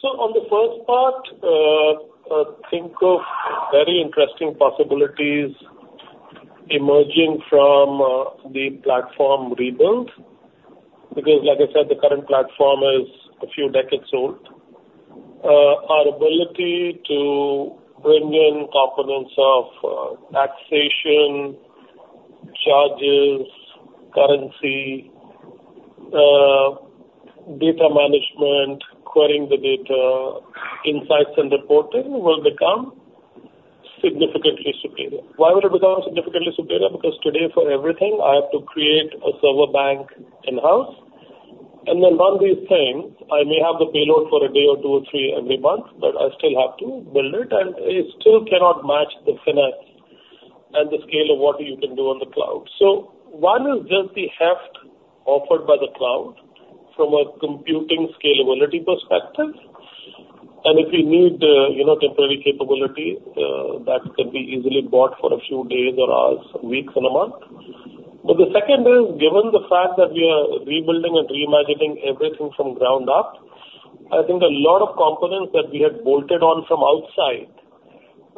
So on the first part, I think of very interesting possibilities emerging from the platform rebuild because, like I said, the current platform is a few decades old. Our ability to bring in components of taxation, charges, currency, data management, querying the data, insights, and reporting will become significantly superior. Why will it become significantly superior? Because today, for everything, I have to create a server bank in-house. And then on these things, I may have the payload for a day or two or three every month, but I still have to build it, and it still cannot match the finesse and the scale of what you can do on the cloud. So one is just the heft offered by the cloud from a computing scalability perspective. And if you need temporary capability, that could be easily bought for a few days or hours, weeks, and a month. But the second is, given the fact that we are rebuilding and reimagining everything from ground up, I think a lot of components that we had bolted on from outside,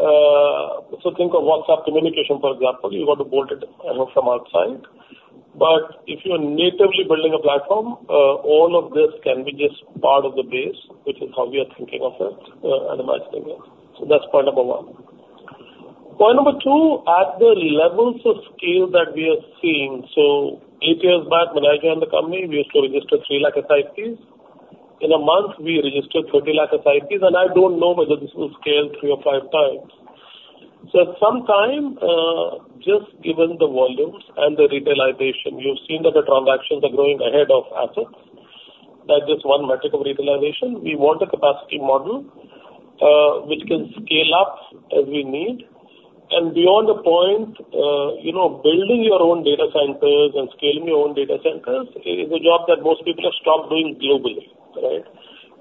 so think of WhatsApp communication, for example. You've got to bolt it from outside. But if you're natively building a platform, all of this can be just part of the base, which is how we are thinking of it and imagining it. So that's point number one. Point number two, at the levels of scale that we are seeing, so eight years back, when I joined the company, we used to register 3 lakh SIPs. In a month, we registered 30 lakh SIPs, and I don't know whether this will scale three or five times. So at some time, just given the volumes and the retailization, you've seen that the transactions are growing ahead of assets. That's just one metric of retailization. We want a capacity model which can scale up as we need. And beyond the point, building your own data centers and scaling your own data centers is a job that most people have stopped doing globally, right?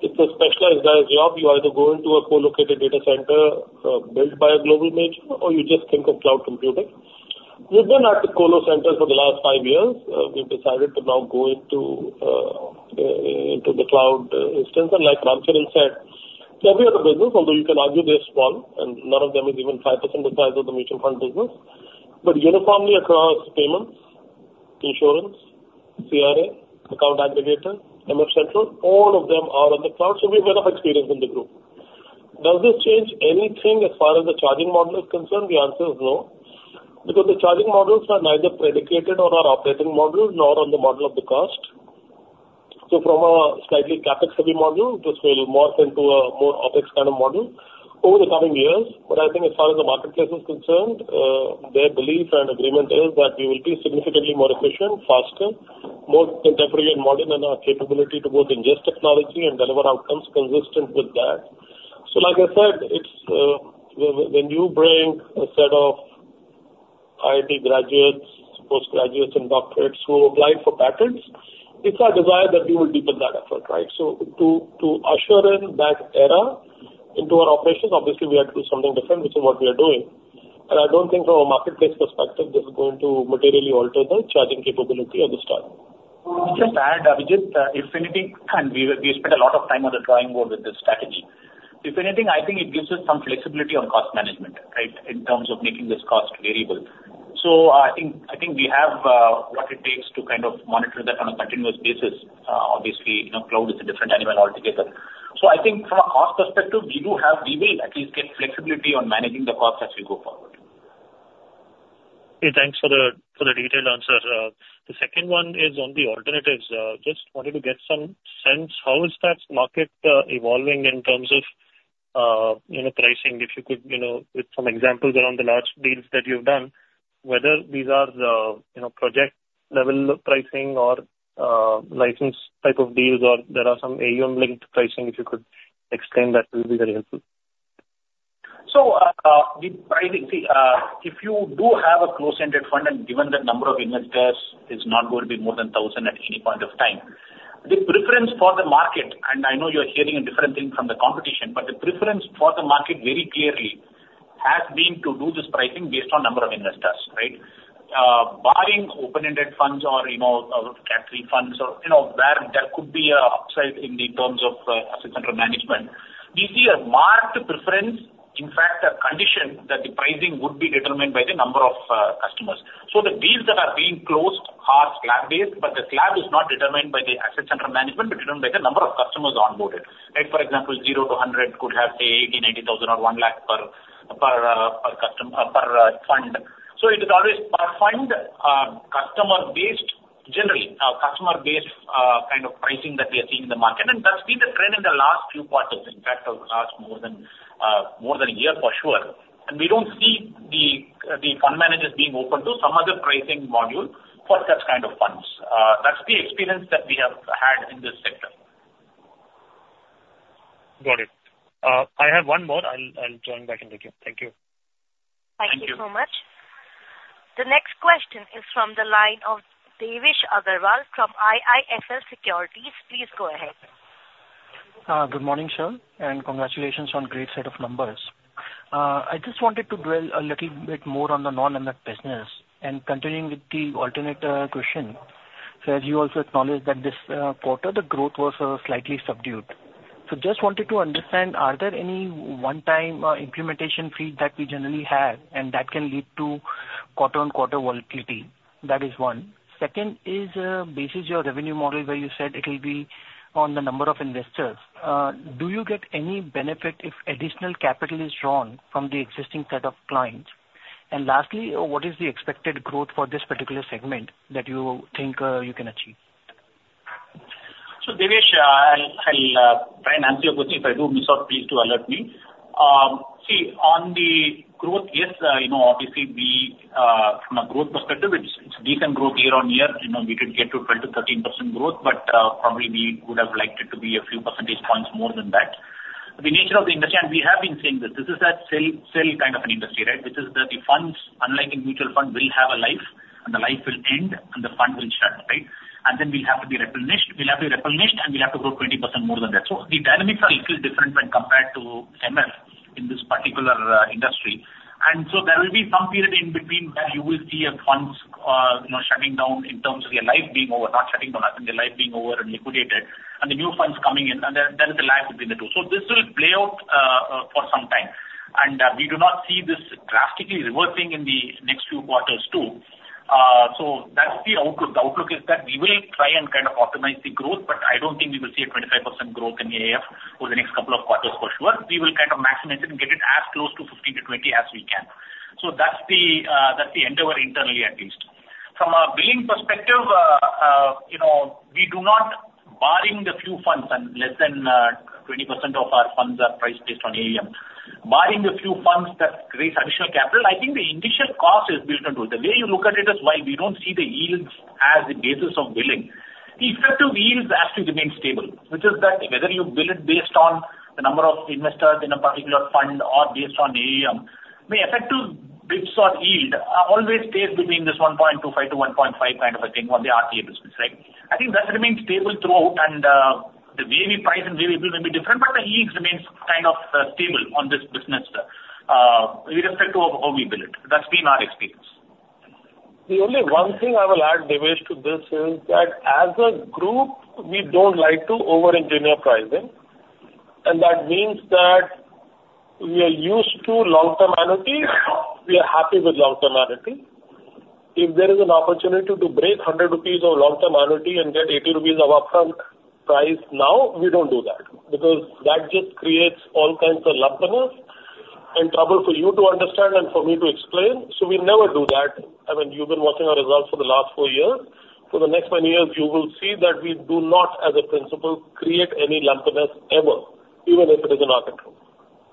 It's a specialized job. You either go into a co-located data center built by a global major, or you just think of cloud computing. We've been at the colo centers for the last five years. We've decided to now go into the cloud instance. And like Ram Charan said, every other business, although you can argue they're small, and none of them is even 5% the size of the mutual fund business, but uniformly across payments, insurance, CRA, account aggregator, MF Central, all of them are on the cloud. So we have enough experience in the group. Does this change anything as far as the charging model is concerned? The answer is no because the charging models are neither predicated on our operating model nor on the model of the cost. So from a slightly CapEx-heavy model, which will morph into a more OpEx kind of model over the coming years. But I think as far as the marketplace is concerned, their belief and agreement is that we will be significantly more efficient, faster, more contemporary and modern in our capability to both ingest technology and deliver outcomes consistent with that. So like I said, when you bring a set of IIT graduates, postgraduates, and doctorates who applied for patents, it's our desire that we will deepen that effort, right? So to usher in that era into our operations, obviously, we had to do something different, which is what we are doing. And I don't think from a marketplace perspective, this is going to materially alter the charging capability of this time. Just to add, Abhijeet, if anything, and we spent a lot of time on the drawing board with this strategy. If anything, I think it gives us some flexibility on cost management, right, in terms of making this cost variable. So I think we have what it takes to kind of monitor that on a continuous basis. Obviously, cloud is a different animal altogether. So I think from a cost perspective, we will at least get flexibility on managing the cost as we go forward. Hey, thanks for the detailed answer. The second one is on the alternatives. Just wanted to get some sense. How is that market evolving in terms of pricing, if you could, with some examples around the large deals that you've done, whether these are the project-level pricing or license type of deals, or there are some AUM-linked pricing, if you could explain that will be very helpful. So if you do have a closed-ended fund, and given the number of investors, it's not going to be more than 1,000 at any point of time. The preference for the market, and I know you're hearing a different thing from the competition, but the preference for the market very clearly has been to do this pricing based on number of investors, right? Barring open-ended funds or Cat 3 funds or where there could be an upside in the terms of assets under management, we see a marked preference, in fact, a condition that the pricing would be determined by the number of customers. So the deals that are being closed are slab-based, but the slab is not determined by the assets under management, but determined by the number of customers onboarded, right? For example, zero to 100 could have 8,000 lakh-10,000 lakh or 1 lakh per fund. So it is always fund-customer-based, generally, customer-based kind of pricing that we are seeing in the market. And that's been the trend in the last few quarters, in fact, over the last more than a year for sure. And we don't see the fund managers being open to some other pricing module for such kind of funds. That's the experience that we have had in this sector. Got it. I have one more. I'll join back in a few. Thank you. Thank you so much. The next question is from the line of Devesh Agarwal from IIFL Securities. Please go ahead. Good morning, sir. And congratulations on a great set of numbers. I just wanted to dwell a little bit more on the non-MF business and continuing with the alternative question. So as you also acknowledged that this quarter, the growth was slightly subdued. So just wanted to understand, are there any one-time implementation fees that we generally have, and that can lead to quarter-on-quarter volatility? That is one. Second is, basis your revenue model where you said it will be on the number of investors. Do you get any benefit if additional capital is drawn from the existing set of clients? Lastly, what is the expected growth for this particular segment that you think you can achieve? So Devesh, I'll try and answer your question. If I do miss out, please do alert me. See, on the growth, yes, obviously, from a growth perspective, it's decent growth year-on-year. We did get to 12%-13% growth, but probably we would have liked it to be a few percentage points more than that. The nature of the industry, and we have been saying this, this is that sell kind of an industry, right, which is that the funds, unlike a mutual fund, will have a life, and the life will end, and the fund will shut, right? And then we'll have to be replenished. We'll have to be replenished, and we'll have to grow 20% more than that. So the dynamics are a little different when compared to MF in this particular industry. And so there will be some period in between that you will see funds shutting down in terms of their life being over, not shutting down, as in their life being over and liquidated, and the new funds coming in. And then there is a lag between the two. So this will play out for some time. And we do not see this drastically reversing in the next few quarters too. So that's the outlook. The outlook is that we will try and kind of optimize the growth, but I don't think we will see a 25% growth in AIF over the next couple of quarters for sure. We will kind of maximize it and get it as close to 15%-20% as we can. So that's the end of our internal year at least. From a billing perspective, we do not, barring the few funds, and less than 20% of our funds are priced based on AUM, barring the few funds that raise additional capital, I think the initial cost is built onto it. The way you look at it is, while we don't see the yields as the basis of billing, the effective yields actually remain stable, which is that whether you bill it based on the number of investors in a particular fund or based on AUM, the effective bids or yield always stays between this 1.25-1.5 kind of a thing on the RTA business, right? I think that remains stable throughout, and the way we price and way we bill may be different, but the yield remains kind of stable on this business with respect to how we bill it. That's been our experience. The only one thing I will add, Devesh, to this is that as a group, we don't like to over-engineer pricing. That means that we are used to long-term annuities. We are happy with long-term annuities. If there is an opportunity to break 100 rupees of long-term annuity and get 80 rupees of upfront price now, we don't do that because that just creates all kinds of lumpiness and trouble for you to understand and for me to explain. So we never do that. I mean, you've been watching our results for the last four years. For the next many years, you will see that we do not, as a principle, create any lumpiness ever, even if it is in our control.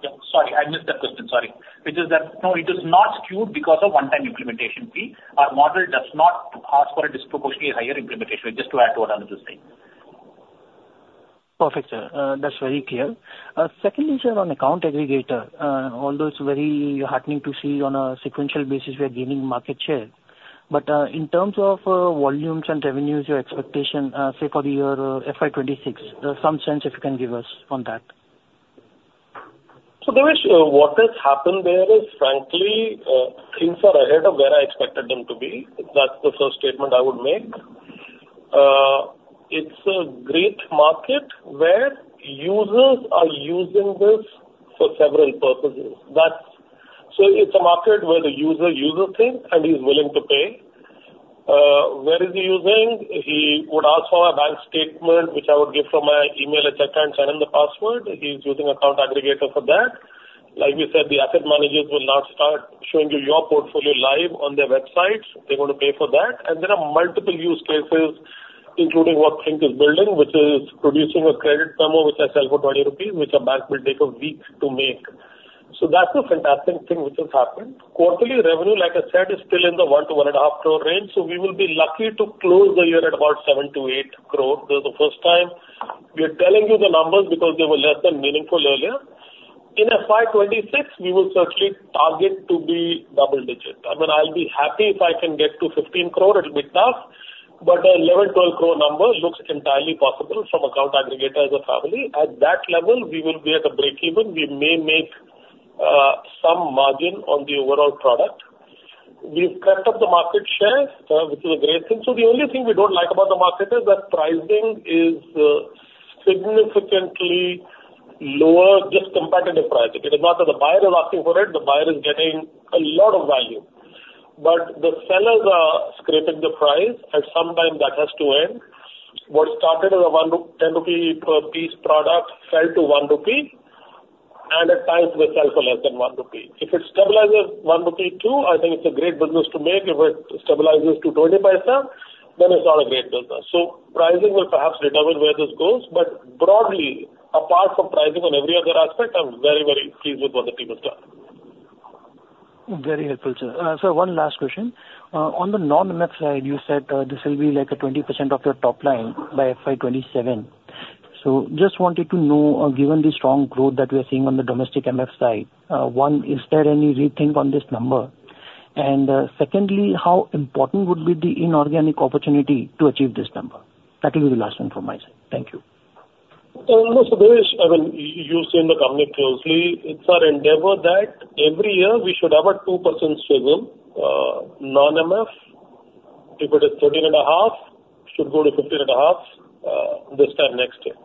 Yeah. Sorry, I missed that question. Sorry. It is that no, it is not skewed because of one-time implementation fee. Our model does not ask for a disproportionately higher implementation, just to add to what Anuj is saying. Perfect, sir. That's very clear. Second is, sir, on account aggregator, although it's very heartening to see on a sequential basis we are gaining market share. But in terms of volumes and revenues, your expectation, say, for the year FY 2026, some sense if you can give us on that. So Devesh, what has happened there is, frankly, things are ahead of where I expected them to be. That's the first statement I would make. It's a great market where users are using this for several purposes. It's a market where the user uses things, and he's willing to pay. Where is he using? He would ask for a bank statement, which I would give from my email at checkout and send him the password. He's using account aggregator for that. Like we said, the asset managers will now start showing you your portfolio live on their websites. They're going to pay for that. And there are multiple use cases, including what Think is building, which is producing a credit memo, which I sell for 20 rupees, which a bank will take a week to make. So that's a fantastic thing which has happened. Quarterly revenue, like I said, is still in the 1 crore-1.5 crore range. So we will be lucky to close the year at about 7 crore-8 crore. This is the first time we are telling you the numbers because they were less than meaningful earlier. In FY 2026, we will certainly target to be double-digit. I mean, I'll be happy if I can get to 15 crore. It'll be tough. But an 11 crore-12 crore number looks entirely possible from account aggregator as a family. At that level, we will be at a break-even. We may make some margin on the overall product. We've crept up the market share, which is a great thing. So the only thing we don't like about the market is that pricing is significantly lower just compared to the price. It is not that the buyer is asking for it. The buyer is getting a lot of value. But the sellers are scraping the price, and sometime that has to end. What started as a 10 rupee piece product fell to 1 rupee, and at times, we sell for less than 1 rupee. If it stabilizes 1 rupee too, I think it's a great business to make. If it stabilizes to 20, then it's not a great business. So pricing will perhaps determine where this goes. But broadly, apart from pricing on every other aspect, I'm very, very pleased with what the team has done. Very helpful, sir. Sir, one last question. On the non-MF side, you said this will be like 20% of your top line by FY 2027. So just wanted to know, given the strong growth that we are seeing on the domestic MF side, one, is there any rethink on this number? And secondly, how important would be the inorganic opportunity to achieve this number? That will be the last one from my side. Thank you. So Devesh, I mean, you've seen the company closely. It's our endeavor that every year we should have a 2% swivel, non-MF. If it is 13.5, should go to 15.5 this time next year,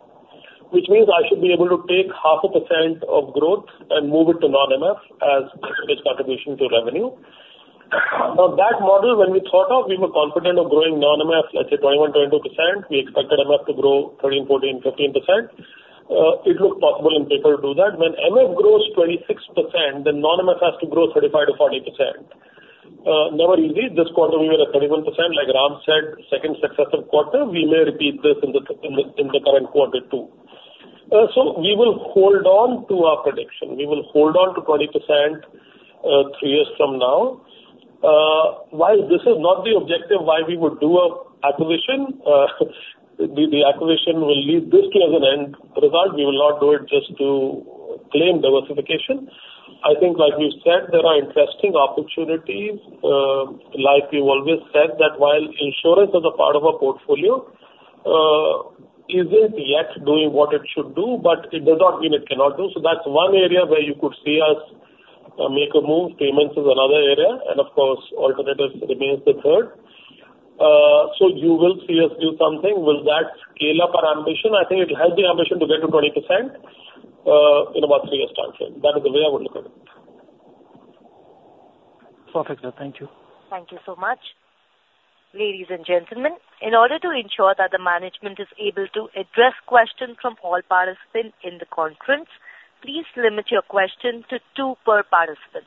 which means I should be able to take half a percent of growth and move it to non-MF as percentage contribution to revenue. Now, that model, when we thought of, we were confident of growing non-MF, let's say 21%-22%. We expected MF to grow 13%-15%. It looked possible on paper to do that. When MF grows 26%, then non-MF has to grow 35%-40%. Never easy. This quarter, we were at 31%. Like Ram said, second successive quarter, we may repeat this in the current quarter too. So we will hold on to our prediction. We will hold on to 20% three years from now. While this is not the objective why we would do an acquisition, the acquisition will lead this to as an end result. We will not do it just to claim diversification. I think, like we've said, there are interesting opportunities. Like we've always said, that while insurance is a part of our portfolio, it isn't yet doing what it should do, but it does not mean it cannot do. So that's one area where you could see us make a move. Payments is another area. And of course, alternatives remains the third. So you will see us do something. Will that scale up our ambition? I think it has the ambition to get to 20% in about three years' timeframe. That is the way I would look at it. Perfect, sir. Thank you. Thank you so much. Ladies and gentlemen, in order to ensure that the management is able to address questions from all participants in the conference, please limit your question to two per participant.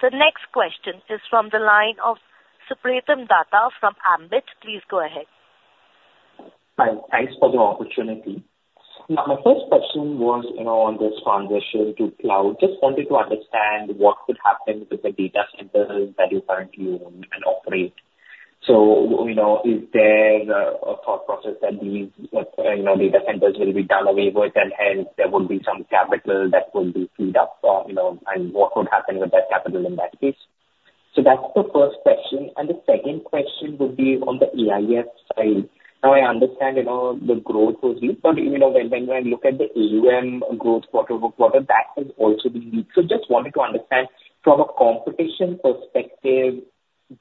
The next question is from the line of Supratim Datta from Ambit Capital. Please go ahead. Thanks for the opportunity. Now, my first question was on this transition to cloud. Just wanted to understand what could happen with the data centers that you currently own and operate. So is there a thought process that these data centers will be done away with, and hence there would be some capital that would be freed up, and what would happen with that capital in that case? So that's the first question. And the second question would be on the AIF side. Now, I understand the growth was weak, but when I look at the AUM growth quarter-over-quarter, that has also been weak. So just wanted to understand from a competition perspective,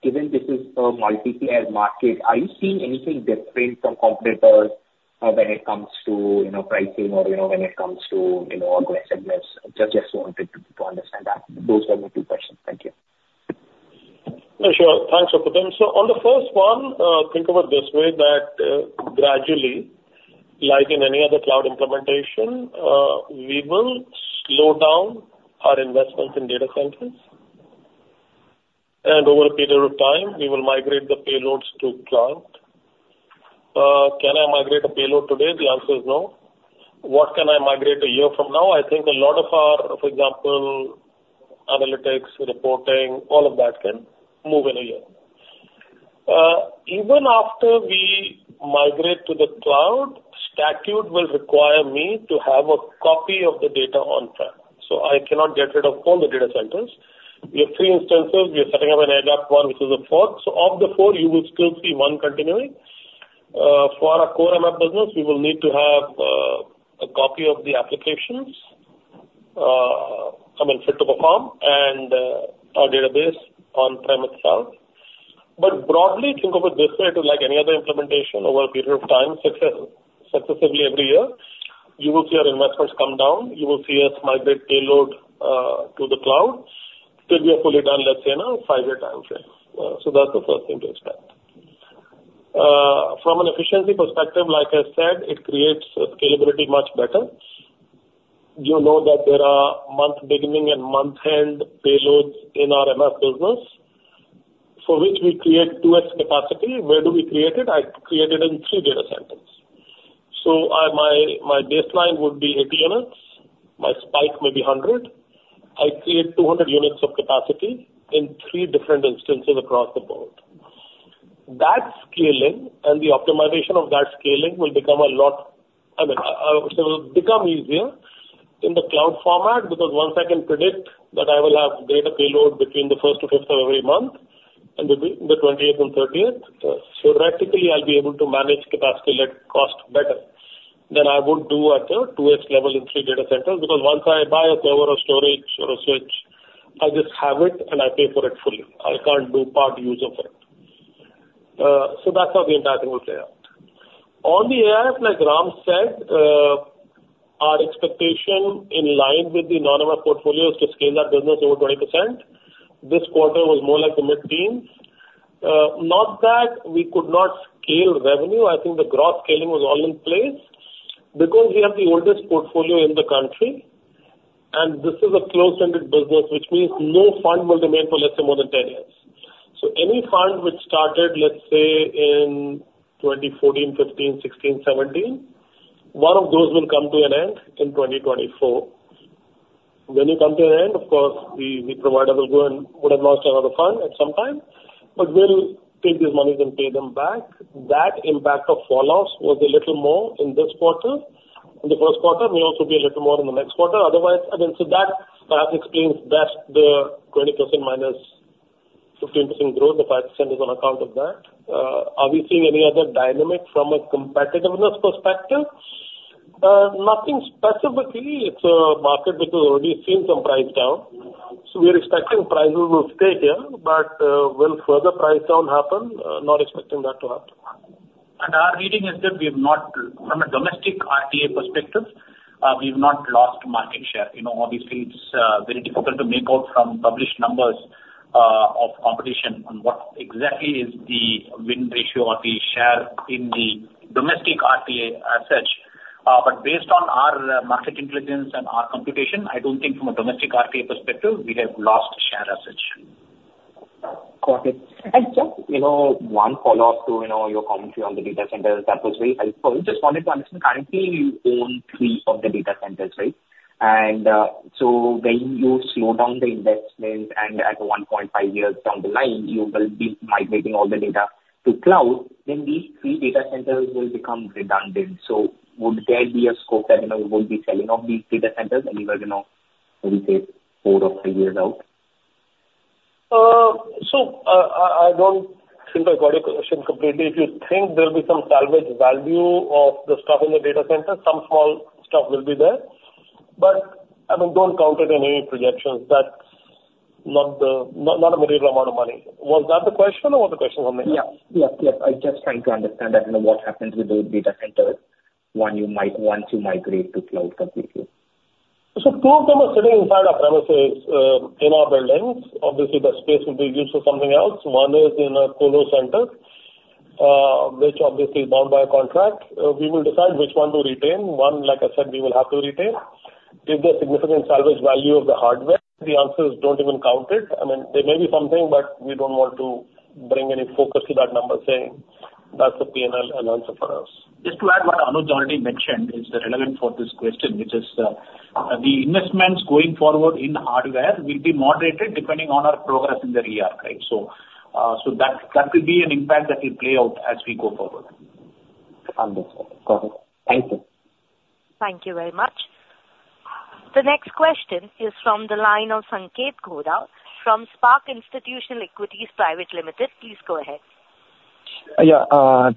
given this is a multi-player market, are you seeing anything different from competitors when it comes to pricing or when it comes to aggressiveness? Just wanted to understand that. Those were my two questions. Thank you. Sure. Thanks, Supratim. So on the first one, think of it this way, that gradually, like in any other cloud implementation, we will slow down our investments in data centers. And over a period of time, we will migrate the payloads to cloud. Can I migrate a payload today? The answer is no. What can I migrate a year from now? I think a lot of our, for example, analytics, reporting, all of that can move in a year. Even after we migrate to the cloud, statute will require me to have a copy of the data on-prem. I cannot get rid of all the data centers. We have three instances. We are setting up an ad up one, which is the fourth. Of the four, you will still see one continuing. For our core MF business, we will need to have a copy of the applications, I mean, fit to perform, and our database on-prem itself. But broadly, think of it this way. It is like any other implementation over a period of time, successively every year. You will see our investments come down. You will see us migrate payload to the cloud. Could we have fully done, let's say, in a 5-year timeframe? That's the first thing to expect. From an efficiency perspective, like I said, it creates scalability much better. You know that there are month-beginning and month-end payloads in our MF business for which we create 2x capacity. Where do we create it? I create it in three data centers. So my baseline would be 80 units. My spike may be 100. I create 200 units of capacity in three different instances across the board. That scaling and the optimization of that scaling will become a lot, I mean, it will become easier in the cloud format because once I can predict that I will have data payload between the 1st to 5th of every month and the 28th and 30th, theoretically, I'll be able to manage capacity-led cost better than I would do at a 2x level in three data centers because once I buy a server or storage or a switch, I just have it, and I pay for it fully. I can't do part use of it. So that's how the entire thing will play out. On the AIF, like Ram said, our expectation in line with the non-MF portfolio is to scale that business over 20%. This quarter was more like the mid-teens. Not that we could not scale revenue. I think the growth scaling was all in place because we have the oldest portfolio in the country. And this is a closed-ended business, which means no fund will remain for, let's say, more than 10 years. So any fund which started, let's say, in 2014, 2015, 2016, 2017, one of those will come to an end in 2024. When you come to an end, of course, the provider will go and would have launched another fund at some time, but we'll take these monies and pay them back. That impact of falloffs was a little more in this quarter. In the first quarter, may also be a little more in the next quarter. Otherwise, I mean, so that perhaps explains best the 20%-15% growth. The 5% is on account of that. Are we seeing any other dynamic from a competitiveness perspective? Nothing specifically. It's a market which has already seen some price down. So we are expecting prices will stay here, but will further price down happen? Not expecting that to happen. And our reading is that we have not, from a domestic RTA perspective, we have not lost market share. Obviously, it's very difficult to make out from published numbers of competition on what exactly is the win ratio of the share in the domestic RTA as such. But based on our market intelligence and our computation, I don't think from a domestic RTA perspective, we have lost share as such. Got it. And just one follow-up to your commentary on the data centers. That was very helpful. Just wanted to understand, currently, you own three of the data centers, right? And so when you slow down the investment and at 1.5 years down the line, you will be migrating all the data to cloud, then these three data centers will become redundant. So would there be a scope that you would be selling off these data centers anywhere, let me say, four or five years out? So I don't think I got your question completely. If you think there'll be some salvage value of the stuff in the data centers, some small stuff will be there. But I mean, don't count it in any projections. That's not a material amount of money. Was that the question, or what the question was? Yeah. Yes. Yes. I'm just trying to understand that what happens with those data centers once you migrate to cloud completely. So two of them are sitting inside our premises in our buildings. Obviously, the space will be used for something else. One is in a colo center, which obviously is bound by a contract. We will decide which one to retain. One, like I said, we will have to retain. Is there significant salvage value of the hardware? The answer is don't even count it. I mean, there may be something, but we don't want to bring any focus to that number saying that's a P&L and answer for us. Just to add what Anuj already mentioned, it's relevant for this question, which is the investments going forward in hardware will be moderated depending on our progress in the re-architecture. So that could be an impact that will play out as we go forward. Understood. Got it. Thank you. Thank you very much. The next question is from the line of Sanketh Godha from Spark Institutional Equities Private Limited. Please go ahead. Yeah.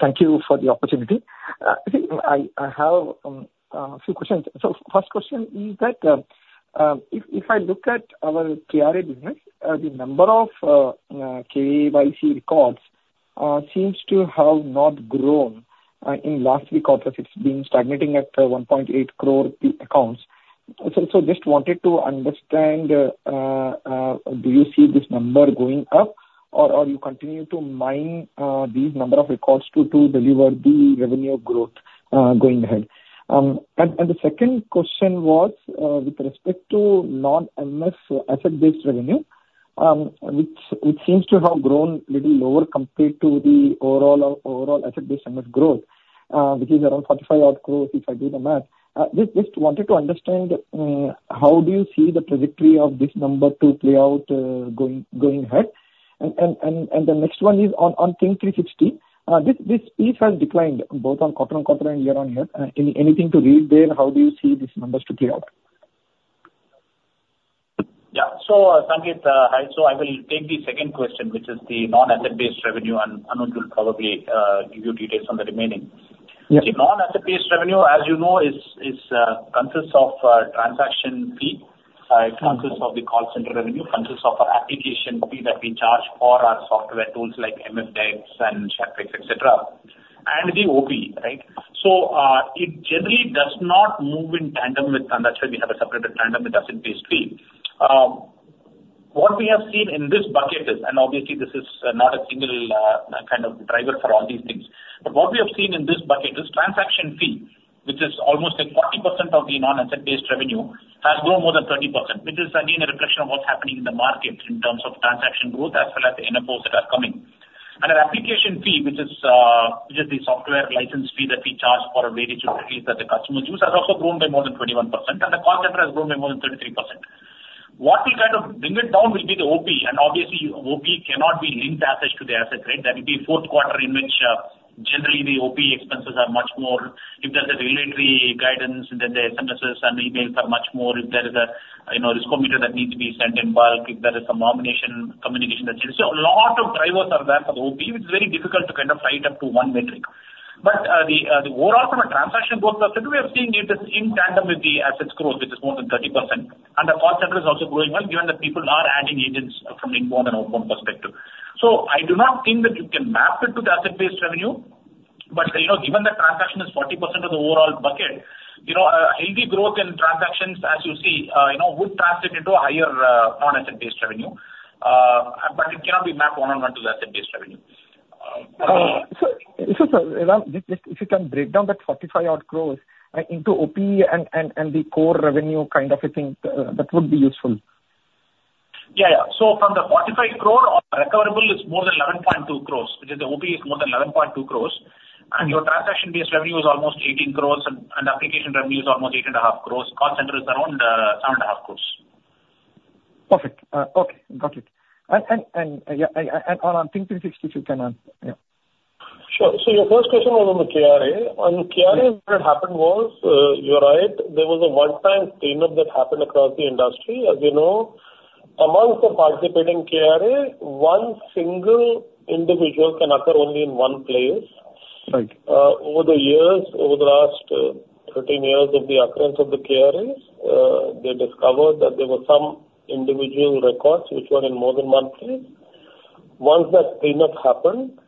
Thank you for the opportunity. I have a few questions. So first question is that if I look at our KRA business, the number of KYC records seems to have not grown in last three quarters. It's been stagnating at 1.8 crore accounts. So just wanted to understand, do you see this number going up, or are you continuing to mine these number of records to deliver the revenue growth going ahead? And the second question was with respect to non-MF asset-based revenue, which seems to have grown a little lower compared to the overall asset-based MF growth, which is around 45% growth if I do the math. Just wanted to understand how do you see the trajectory of this number to play out going ahead? The next one is on Think360. This piece has declined both on quarter-on-quarter and year-on-year. Anything to read there? How do you see these numbers to play out? Yeah. So Sanket, so I will take the second question, which is the non-asset-based revenue, and Anuj will probably give you details on the remaining. The non-asset-based revenue, as you know, consists of transaction fee, consists of the call center revenue, consists of our application fee that we charge for our software tools like MFDEX and Chapek, etc., and the OP, right? So it generally does not move in tandem with, and that's why we have a separate tandem with asset-based fee. What we have seen in this bucket is, and obviously, this is not a single kind of driver for all these things, but what we have seen in this bucket is transaction fee, which is almost like 40% of the non-asset-based revenue has grown more than 30%, which is, again, a reflection of what's happening in the market in terms of transaction growth as well as the NFOs that are coming. Our application fee, which is the software license fee that we charge for a way to release that the customers use, has also grown by more than 21%, and the call center has grown by more than 33%. What will kind of bring it down will be the OP, and obviously, OP cannot be linked as such to the asset rate. That would be a fourth quarter in which generally the OP expenses are much more, if there's a regulatory guidance, then the SMSs and emails are much more, if there is a risk-o-meter that needs to be sent in bulk, if there is some nomination communication that changes. So a lot of drivers are there for the OP, which is very difficult to kind of tie it up to one metric. But the overall transaction growth, I think we are seeing it is in tandem with the assets growth, which is more than 30%. And the call center is also growing well, given that people are adding agents from inbound and outbound perspective. So I do not think that you can map it to the asset-based revenue, but given that transaction is 40% of the overall bucket, heavy growth in transactions, as you see, would translate into a higher non-asset-based revenue, but it cannot be mapped one-on-one to the asset-based revenue. So, Ram, just if you can break down that 45-odd crore into OP and the core revenue kind of a thing, that would be useful. Yeah. Yeah. So from the 45 crore, recoverable is more than 11.2 crore, which is the OP is more than 11.2 crore, and your transaction-based revenue is almost 18 crore, and application revenue is almost 8.5 crore. Call center is around 7.5 crore. Perfect. Okay. Got it. And on Think360, if you can. Yeah. Sure. So your first question was on the KRA. On KRA, what had happened was, you're right, there was a one-time cleanup that happened across the industry. As you know, amongst the participating KRA, one single individual can occur only in one place. Over the years, over the last 13 years of the occurrence of the KRAs, they discovered that there were some individual records which were in more than one place. Once that cleanup happened,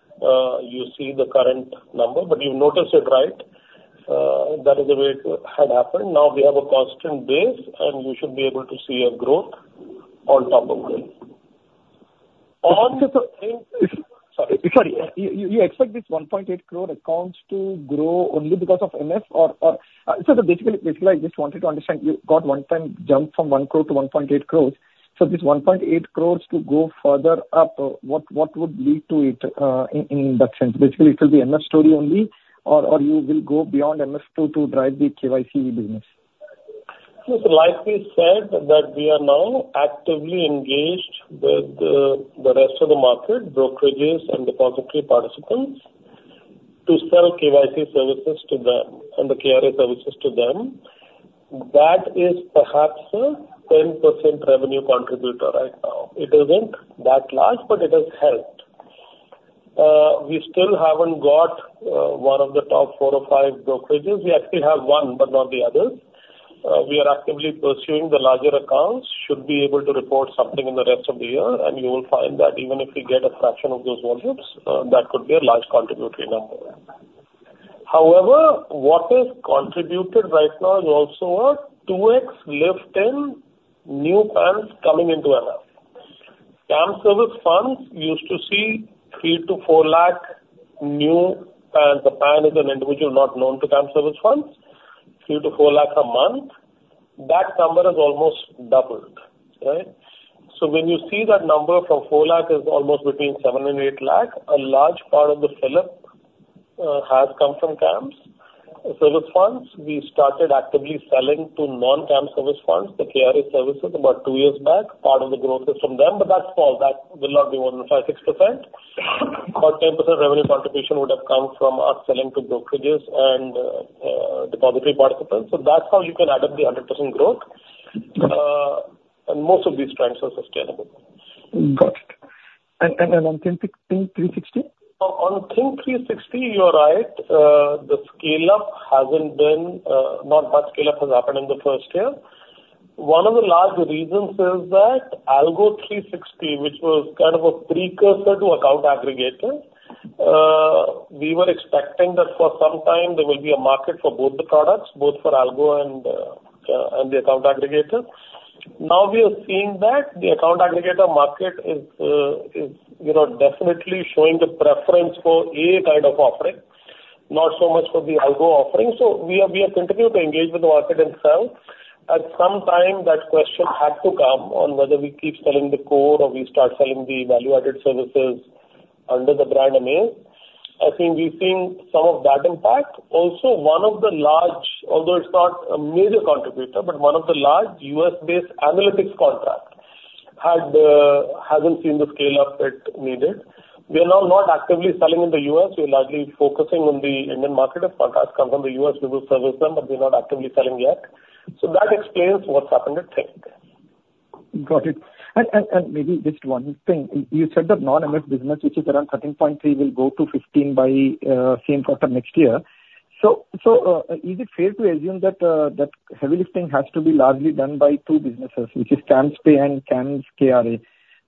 you see the current number, but you notice it, right? That is the way it had happened. Now we have a constant base, and you should be able to see a growth on top of that. On the same—sorry. Sorry. You expect this 1.8 crore accounts to grow only because of MF, or? So basically, I just wanted to understand, you got one-time jump from 1 crore-1.8 crore. So this 1.8 crore to go further up, what would lead to it in that sense? Basically, it will be MF story only, or you will go beyond MF to drive the KYC business? So, like we said, that we are now actively engaged with the rest of the market, brokerages, and depository participants to sell KYC services to them and the KRA services to them. That is perhaps a 10% revenue contributor right now. It isn't that large, but it has helped. We still haven't got one of the top four or five brokerages. We actually have one, but not the others. We are actively pursuing the larger accounts, should be able to report something in the rest of the year, and you will find that even if we get a fraction of those volumes, that could be a large contributory number. However, what has contributed right now is also a 2x lift in new PANs coming into MF. CAMS serviced funds used to see 3 lakh-4 lakh new PANs. The PAN is an individual not known to CAMS serviced funds, 3 lakh-4 lakh a month. That number has almost doubled, right? So when you see that number from 4 lakh is almost between 7 lakh-8 lakh, a large part of the uplift has come from CAMS serviced funds. We started actively selling to non-CAMS serviced funds, the KRA services, about two years back, part of the growth is from them, but that's small. That will not be more than 5%-6%. About 10% revenue contribution would have come from us selling to brokerages and depository participants. So that's how you can add up the 100% growth. And most of these trends are sustainable. Got it. And on Think360? On Think360, you're right. The scale-up hasn't been, not much scale-up has happened in the first year. One of the large reasons is that Algo360, which was kind of a precursor to account aggregator, we were expecting that for some time there will be a market for both the products, both for Algo360 and the account aggregator. Now we are seeing that the account aggregator market is definitely showing a preference for AA kind of offering, not so much for the Algo360 offering. So we have continued to engage with the market and sell. At some time, that question had to come on whether we keep selling the core or we start selling the value-added services under the brand name. I think we've seen some of that impact. Also, one of the large - although it's not a major contributor, but one of the large U.S.-based analytics contracts hasn't seen the scale-up it needed. We are now not actively selling in the U.S. We are largely focusing on the Indian market. If contracts come from the U.S., we will service them, but we're not actively selling yet. So that explains what's happened at tech. Got it. And maybe just one thing. You said that non-MF business, which is around 13.3, will go to 15 by same quarter next year. So is it fair to assume that heavy lifting has to be largely done by two businesses, which is CAMSPay and CAMS KRA?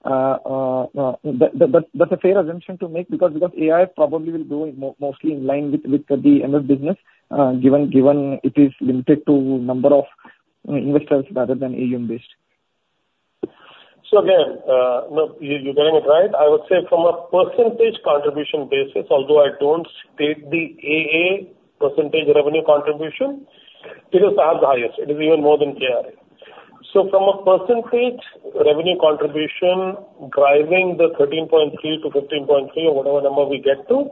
That's a fair assumption to make because AI probably will go mostly in line with the MF business, given it is limited to a number of investors rather than AUM-based. So again, you're getting it right. I would say from a percentage contribution basis, although I don't state the AA percentage revenue contribution, it is perhaps the highest. It is even more than KRA. So from a percentage revenue contribution driving the 13.3-15.3 or whatever number we get to,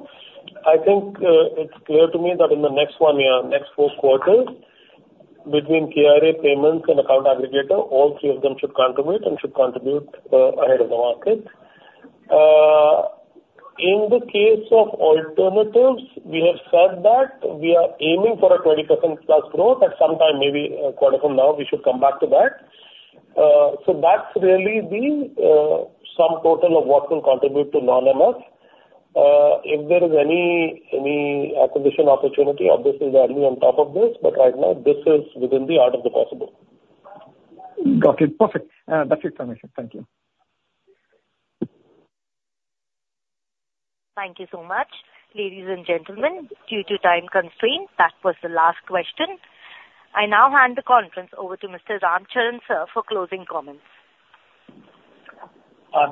I think it's clear to me that in the next one year, next four quarters, between KRA payments and account aggregator, all three of them should contribute and should contribute ahead of the market. In the case of alternatives, we have said that we are aiming for a 20%+ growth at some time, maybe a quarter from now. We should come back to that. So that's really the sum total of what will contribute to non-MF. If there is any acquisition opportunity, obviously, there will be on top of this, but right now, this is within the art of the possible. Got it. Perfect. That's it for me. Thank you. Thank you so much. Ladies and gentlemen, due to time constraints, that was the last question. I now hand the conference over to Mr. Ram Charan Sir for closing comments.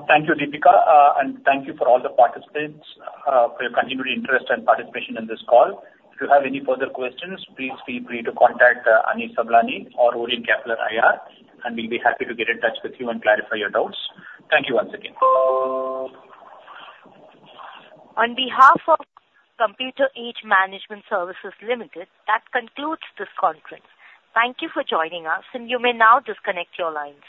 Thank you, Deepika, and thank you for all the participants, for your continued interest and participation in this call. If you have any further questions, please feel free to contact Anish Sawlani or Orient Capital, IR, and we'll be happy to get in touch with you and clarify your doubts. Thank you once again. On behalf of Computer Age Management Services Limited, that concludes this conference. Thank you for joining us, and you may now disconnect your lines.